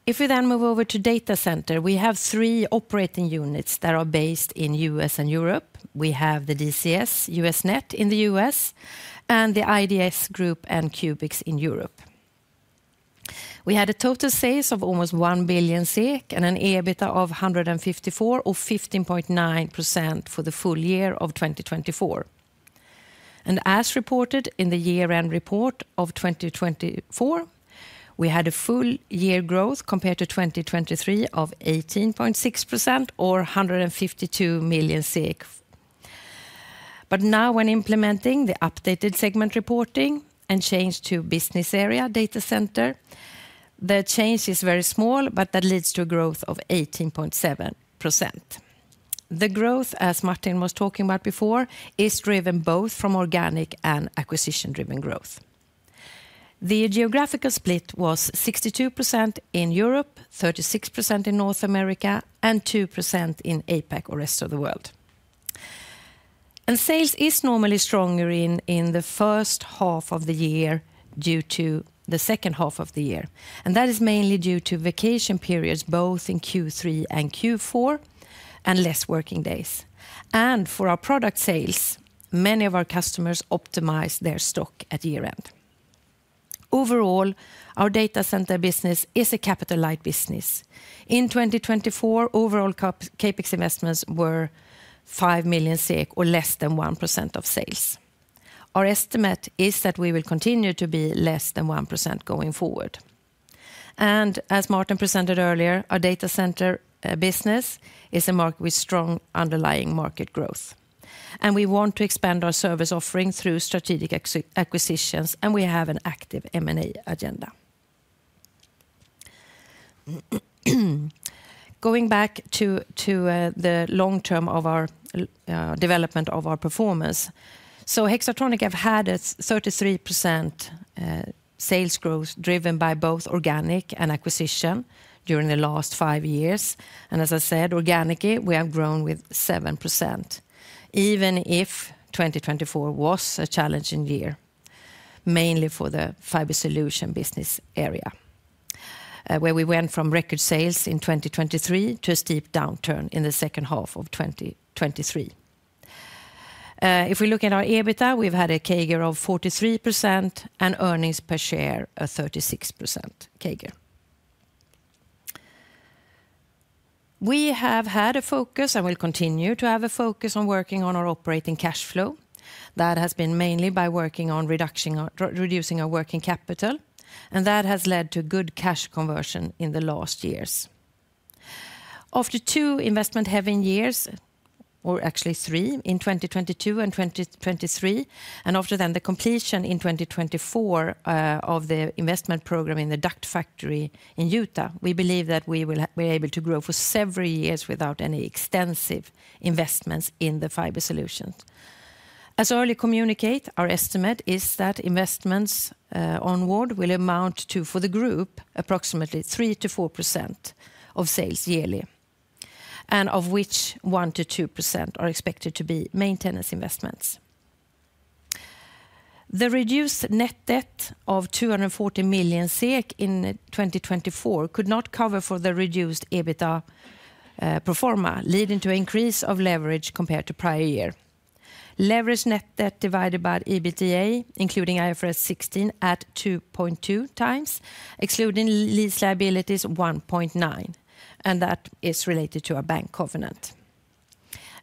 If we then move over to Data Center, we have three operating units that are based in the U.S., and Europe. We have the DCS, USNET in the U.S., and the IDS group and Qubix in Europe. We had a total sales of almost 1 billion SEK and an EBITDA of 154%, or 15.9% for the full year of 2024. As reported in the year-end report of 2024, we had a full year growth compared to 2023 of 18.6%, or 152 million. Now, when implementing the updated segment reporting and change to business area Data Center, the change is very small, but that leads to a growth of 18.7%. The growth, as Martin was talking about before, is driven both from organic and acquisition-driven growth. The geographical split was 62% in Europe, 36% in North America, and 2% in APAC or rest of the world. Sales is normally stronger in the first half of the year due to the second half of the year. That is mainly due to vacation periods, both in Q3 and Q4, and less working days. For our product sales, many of our customers optimize their stock at year-end. Overall, our Data Center business is a capital-light business. In 2024, overall CapEx investments were 5 million SEK, or less than 1% of sales. Our estimate is that we will continue to be less than 1% going forward. As Martin presented earlier, our data center business is a market with strong underlying market growth. We want to expand our service offering through strategic acquisitions, and we have an active M&A agenda. Going back to the long term of our development of our performance, Hexatronic Group have had a 33% sales growth driven by both organic and acquisition during the last five years. As I said, organically, we have grown with 7%, even if 2024 was a challenging year, mainly for the Fiber Solutions business area, where we went from record sales in 2023 to a steep downturn in the second half of 2023. If we look at our EBITDA, we've had a CAGR of 43% and earnings per share of 36% CAGR. We have had a focus and will continue to have a focus on working on our operating cash flow. That has been mainly by working on reducing our working capital, and that has led to good cash conversion in the last years. After two investment-heavy years, or actually three, in 2022 and 2023, and after then the completion in 2024 of the investment program in the Duct Factory in Utah, we believe that we were able to grow for several years without any extensive investments in the Fiber Solutions. As early communicate, our estimate is that investments onward will amount to, for the group, approximately 3%-4% of sales yearly, and of which 1%-2% are expected to be maintenance investments. The reduced net debt of 240 million SEK in 2024 could not cover for the reduced EBITDA proforma, leading to an increase of leverage compared to the prior year. Leverage net debt divided by EBITDA, including IFRS 16, adds 2.2x, excluding lease liabilities, 1.9x. That is related to our bank covenant.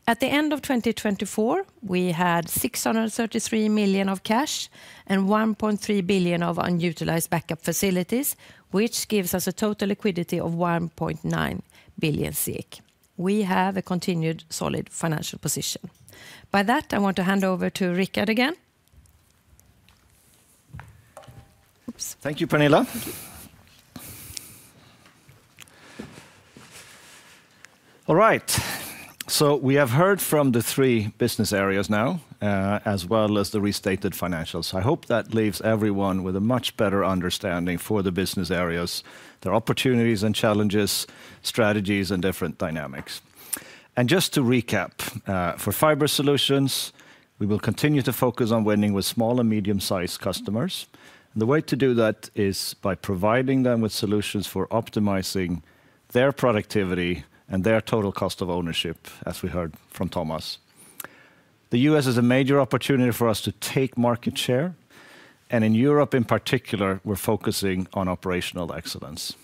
At the end of 2024, we had 633 million of cash and 1.3 billion of unutilized backup facilities, which gives us a total liquidity of 1.9 billion. We have a continued solid financial position. By that, I want to hand over to Rikard again. Thank you, Pernilla. All right. We have heard from the three business areas now, as well as the restated financials. I hope that leaves everyone with a much better understanding for the business areas, their opportunities and challenges, strategies, and different dynamics. Just to recap, for Fiber Solutions, we will continue to focus on winning with small and medium-sized customers. The way to do that is by providing them with solutions for optimizing their productivity and their total cost of ownership, as we heard from Tomas. The U.S., is a major opportunity for us to take market share. In Europe, in particular, we're focusing on operational excellence.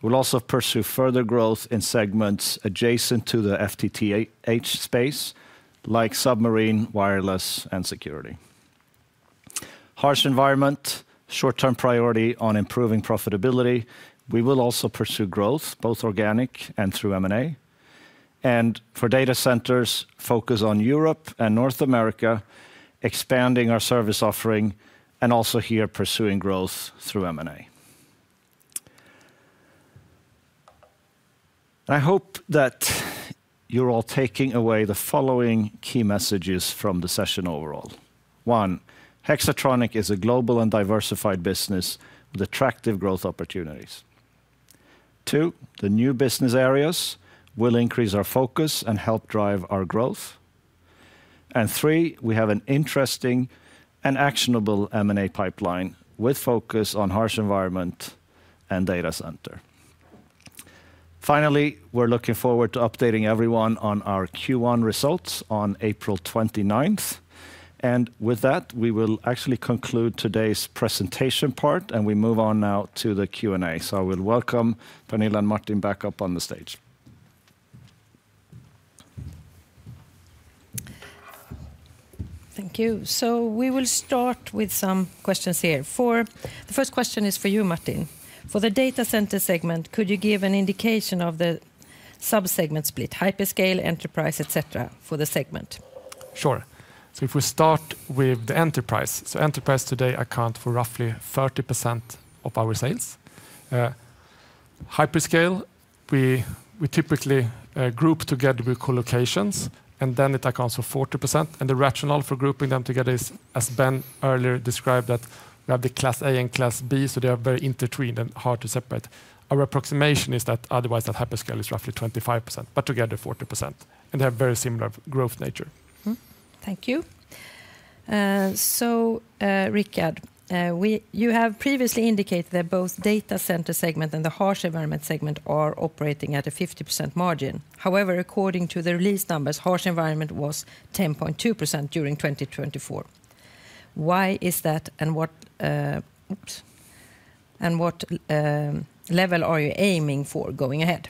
We'll also pursue further growth in segments adjacent to the FTTH space, like submarine, wireless, and security. Harsh Environment, short-term priority on improving profitability. We will also pursue growth, both organic and through M&A. For Data Centers, focus on Europe and North America, expanding our service offering, and also here pursuing growth through M&A. I hope that you're all taking away the following key messages from the session overall. One, Hexatronic is a global and diversified business with attractive growth opportunities. Two, the new business areas will increase our focus and help drive our growth. Three, we have an interesting and actionable M&A pipeline with focus on Harsh Environment and Data Center. Finally, we're looking forward to updating everyone on our Q1 results on April 29. With that, we will actually conclude today's presentation part, and we move on now to the Q&A. I will welcome Pernilla and Martin back up on the stage. Thank you. We will start with some questions here. The first question is for you, Martin. For the Data Center segment, could you give an indication of the subsegment split, hyperscale, enterprise, etc., for the segment? Sure. If we start with the enterprise, enterprise today accounts for roughly 30% of our sales. Hyperscale, we typically group together with colocations, and then it accounts for 40%. The rationale for grouping them together is, as Ben earlier described, that we have the class A and class B, so they are very intertwined and hard to separate. Our approximation is that otherwise hyperscale is roughly 25%, but together 40%. They have very similar growth nature. Thank you. Rikard, you have previously indicated that both Data Center segment and the Harsh Environment segment are operating at a 50% margin. However, according to the release numbers, harsh environment was 10.2% during 2024. Why is that, and what level are you aiming for going ahead?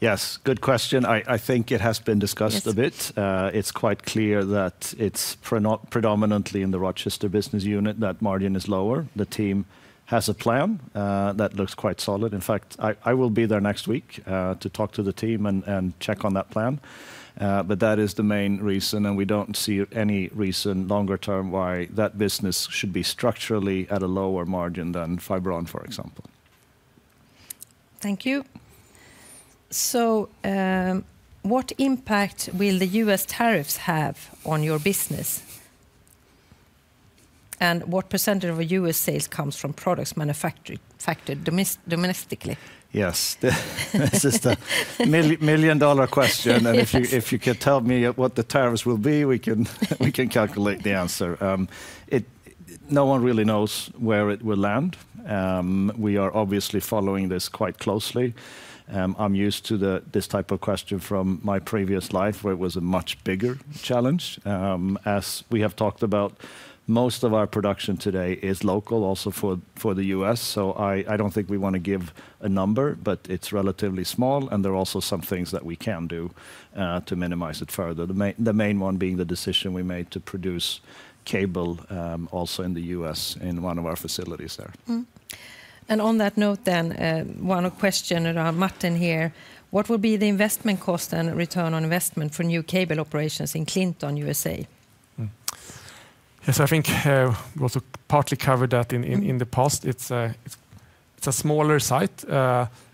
Yes, good question. I think it has been discussed a bit. It's quite clear that it's predominantly in the Rochester business unit that margin is lower. The team has a plan that looks quite solid. In fact, I will be there next week to talk to the team and check on that plan. That is the main reason, and we don't see any reason longer term why that business should be structurally at a lower margin than FiberOn, for example. Thank you. What impact will the US tariffs have on your business? What percentage of U.S. sales comes from products manufactured domestically? Yes, this is the million-dollar question. If you can tell me what the tariffs will be, we can calculate the answer. No one really knows where it will land. We are obviously following this quite closely. I'm used to this type of question from my previous life, where it was a much bigger challenge. As we have talked about, most of our production today is local, also for the U.S. I don't think we want to give a number, but it's relatively small, and there are also some things that we can do to minimize it further. The main one being the decision we made to produce cable also in the U.S. in one of our facilities there. On that note, one question around Martin here. What will be the investment cost and return on investment for new cable operations in Clinton, USA? Yes, I think we also partly covered that in the past. It's a smaller site,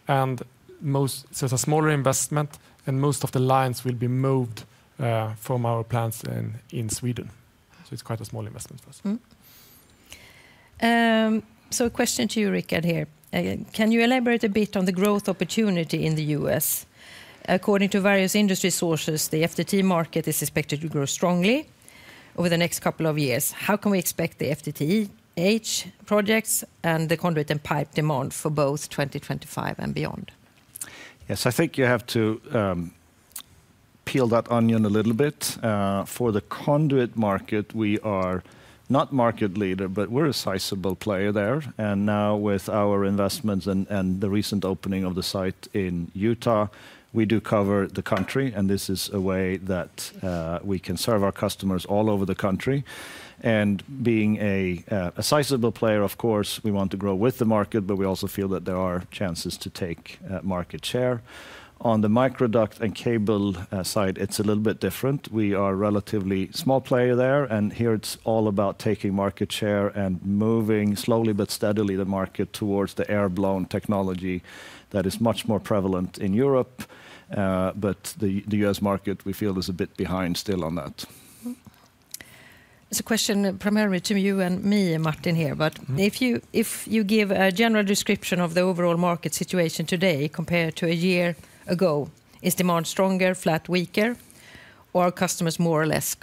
and it's a smaller investment, and most of the lines will be moved from our plants in Sweden. It's quite a small investment for us. A question to you, Rikard, here. Can you elaborate a bit on the growth opportunity in the US? According to various industry sources, the FTTH market is expected to grow strongly over the next couple of years. How can we expect the FTTH projects and the conduit and pipe demand for both 2025 and beyond? I think you have to peel that onion a little bit. For the conduit market, we are not market leader, but we're a sizable player there. Now, with our investments and the recent opening of the site in Utah, we do cover the country, and this is a way that we can serve our customers all over the country. Being a sizable player, of course, we want to grow with the market, but we also feel that there are chances to take market share. On the microduct and cable side, it's a little bit different. We are a relatively small player there, and here it's all about taking market share and moving slowly but steadily the market towards the airblown technology that is much more prevalent in Europe. The US market, we feel, is a bit behind still on that. It's a question primarily to you and me, Martin here. If you give a general description of the overall market situation today compared to a year ago, is demand stronger, flat, weaker, or are customers more or less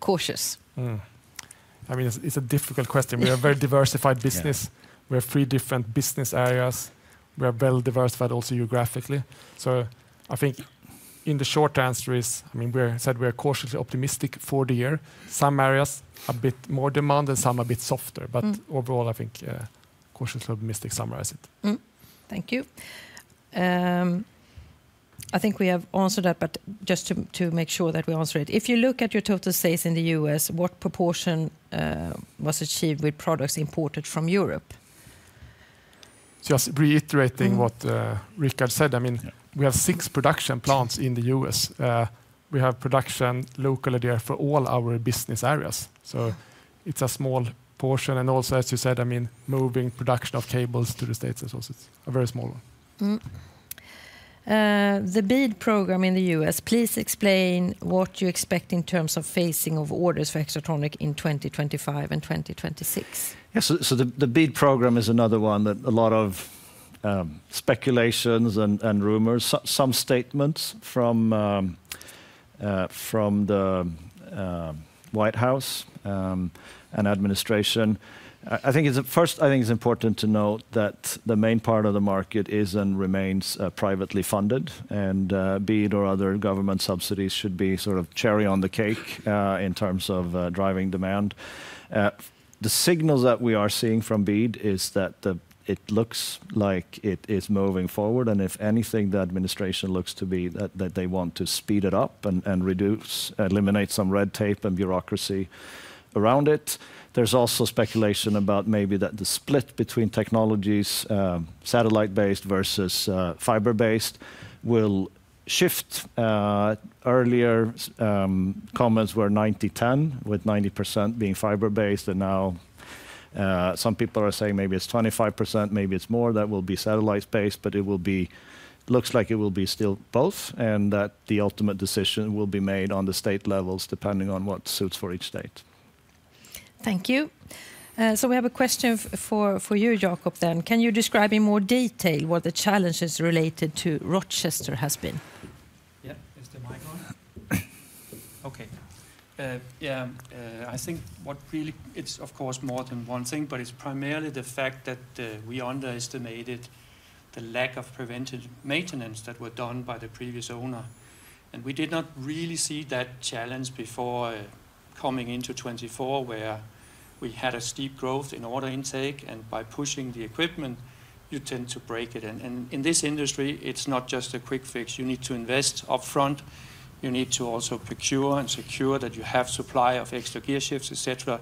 cautious? I mean, it's a difficult question. We are a very diversified business. We have three different business areas. We are well diversified also geographically. I think the short answer is, I mean, we said we are cautiously optimistic for the year. Some areas a bit more demanded, some a bit softer. Overall, I think cautiously optimistic summarizes it. Thank you. I think we have answered that, but just to make sure that we answer it. If you look at your total sales in the U.S., what proportion was achieved with products imported from Europe? Just reiterating what Rikard said, I mean, we have six production plants in the U.S. We have production locally there for all our business areas. It's a small portion. Also, as you said, I mean, moving production of cables to the States and so on, it's a very small one. The BEAD program in the US, please explain what you expect in terms of phasing of orders for Hexatronic in 2025 and 2026. Yeah, the BEAD program is another one that a lot of speculations and rumors, some statements from the White House and administration. I think it's first, I think it's important to note that the main part of the market is and remains privately funded, and BEAD or other government subsidies should be sort of cherry on the cake in terms of driving demand. The signals that we are seeing from BEAD is that it looks like it is moving forward, and if anything, the administration looks to be that they want to speed it up and eliminate some red tape and bureaucracy around it. There's also speculation about maybe that the split between technologies, satellite-based versus fiber-based, will shift. Earlier comments were 90-10, with 90% being fiber-based, and now some people are saying maybe it's 25%, maybe it's more that will be satellite-based, but it will be, looks like it will be still both, and that the ultimate decision will be made on the state levels depending on what suits for each state. Thank you. We have a question for you, Jakob then. Can you describe in more detail what the challenges related to Rochester have been? Yeah, is the mic on? Okay. Yeah, I think what really, it's of course more than one thing, but it's primarily the fact that we underestimated the lack of preventive maintenance that were done by the previous owner. We did not really see that challenge before coming into 2024, where we had a steep growth in order intake, and by pushing the equipment, you tend to break it. In this industry, it's not just a quick fix. You need to invest upfront. You need to also procure and secure that you have a supply of extra gear shifts, etc.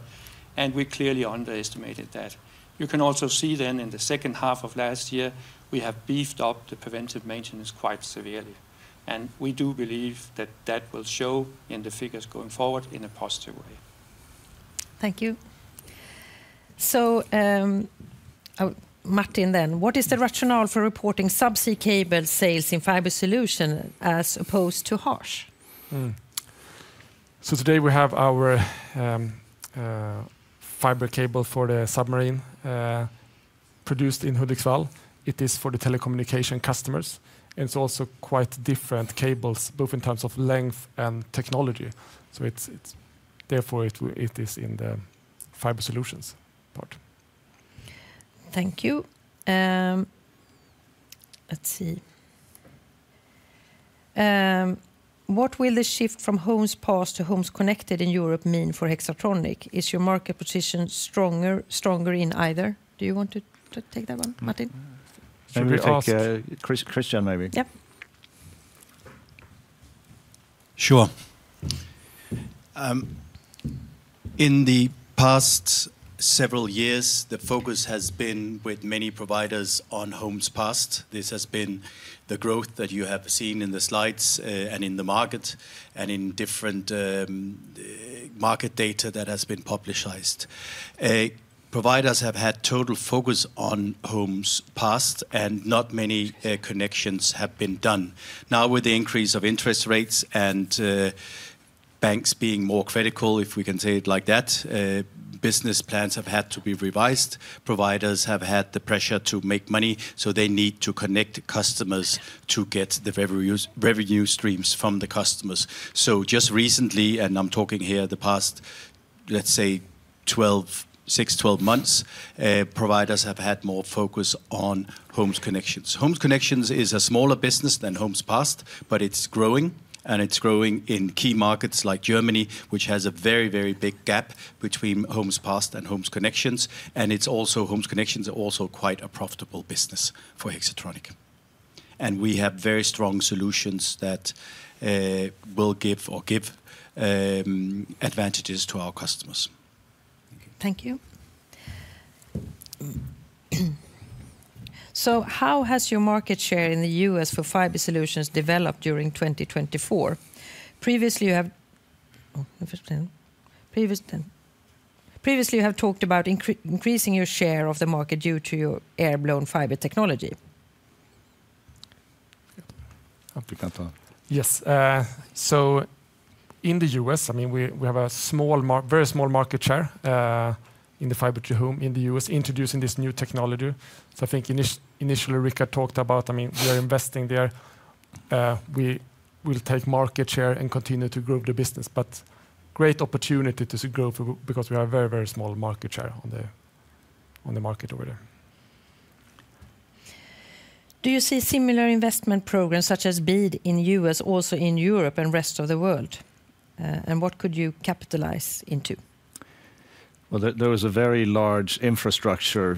We clearly underestimated that. You can also see then in the second half of last year, we have beefed up the preventive maintenance quite severely. We do believe that that will show in the figures going forward in a positive way. Thank you. Martin then, what is the rationale for reporting subsea cable sales in fiber solution as opposed to harsh? Today we have our fiber cable for the submarine produced in Hudiksvall. It is for the telecommunication customers, and it is also quite different cables, both in terms of length and technology. Therefore it is in the fiber solutions part. Thank you. Let's see. What will the shift from homes passed to homes connected in Europe mean for Hexatronic? Is your market position stronger in either? Do you want to take that one, Martin? Should we ask Christian maybe? Yeah. Sure. In the past several years, the focus has been with many providers on homes passed. This has been the growth that you have seen in the slides and in the market and in different market data that has been publicized. Providers have had total focus on homes passed, and not many connections have been done. Now, with the increase of interest rates and banks being more critical, if we can say it like that, business plans have had to be revised. Providers have had the pressure to make money, so they need to connect customers to get the revenue streams from the customers. Just recently, and I'm talking here the past, let's say, 6 months-12 months, providers have had more focus on homes connections. Homes connections is a smaller business than homes passed, but it's growing, and it's growing in key markets like Germany, which has a very, very big gap between homes passed and homes connections. Homes connections are also quite a profitable business for Hexatronic. We have very strong solutions that will give or give advantages to our customers. Thank you. How has your market share in the U.S., for fiber solutions developed during 2024? Previously, you have talked about increasing your share of the market due to your airblown fiber technology. Yes. In the U.S., I mean, we have a very small market share in the fiber to home in the U.S., introducing this new technology. I think initially Rikard talked about, I mean, we are investing there. We will take market share and continue to grow the business, but great opportunity to grow because we have a very, very small market share on the market over there. Do you see similar investment programs such as BEAD in the U.S., also in Europe and rest of the world? What could you capitalize into? There was a very large infrastructure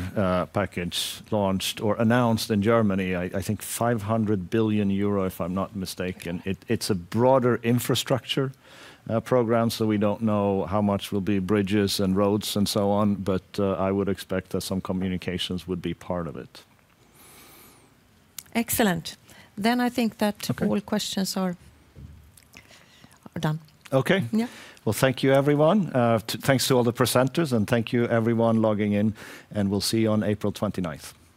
package launched or announced in Germany, I think 500 billion euro, if I'm not mistaken. It's a broader infrastructure program, so we don't know how much will be bridges and roads and so on, but I would expect that some communications would be part of it. Excellent. I think that all questions are done. Okay. Thank you, everyone. Thanks to all the presenters, and thank you, everyone logging in, and we'll see you on April 29th.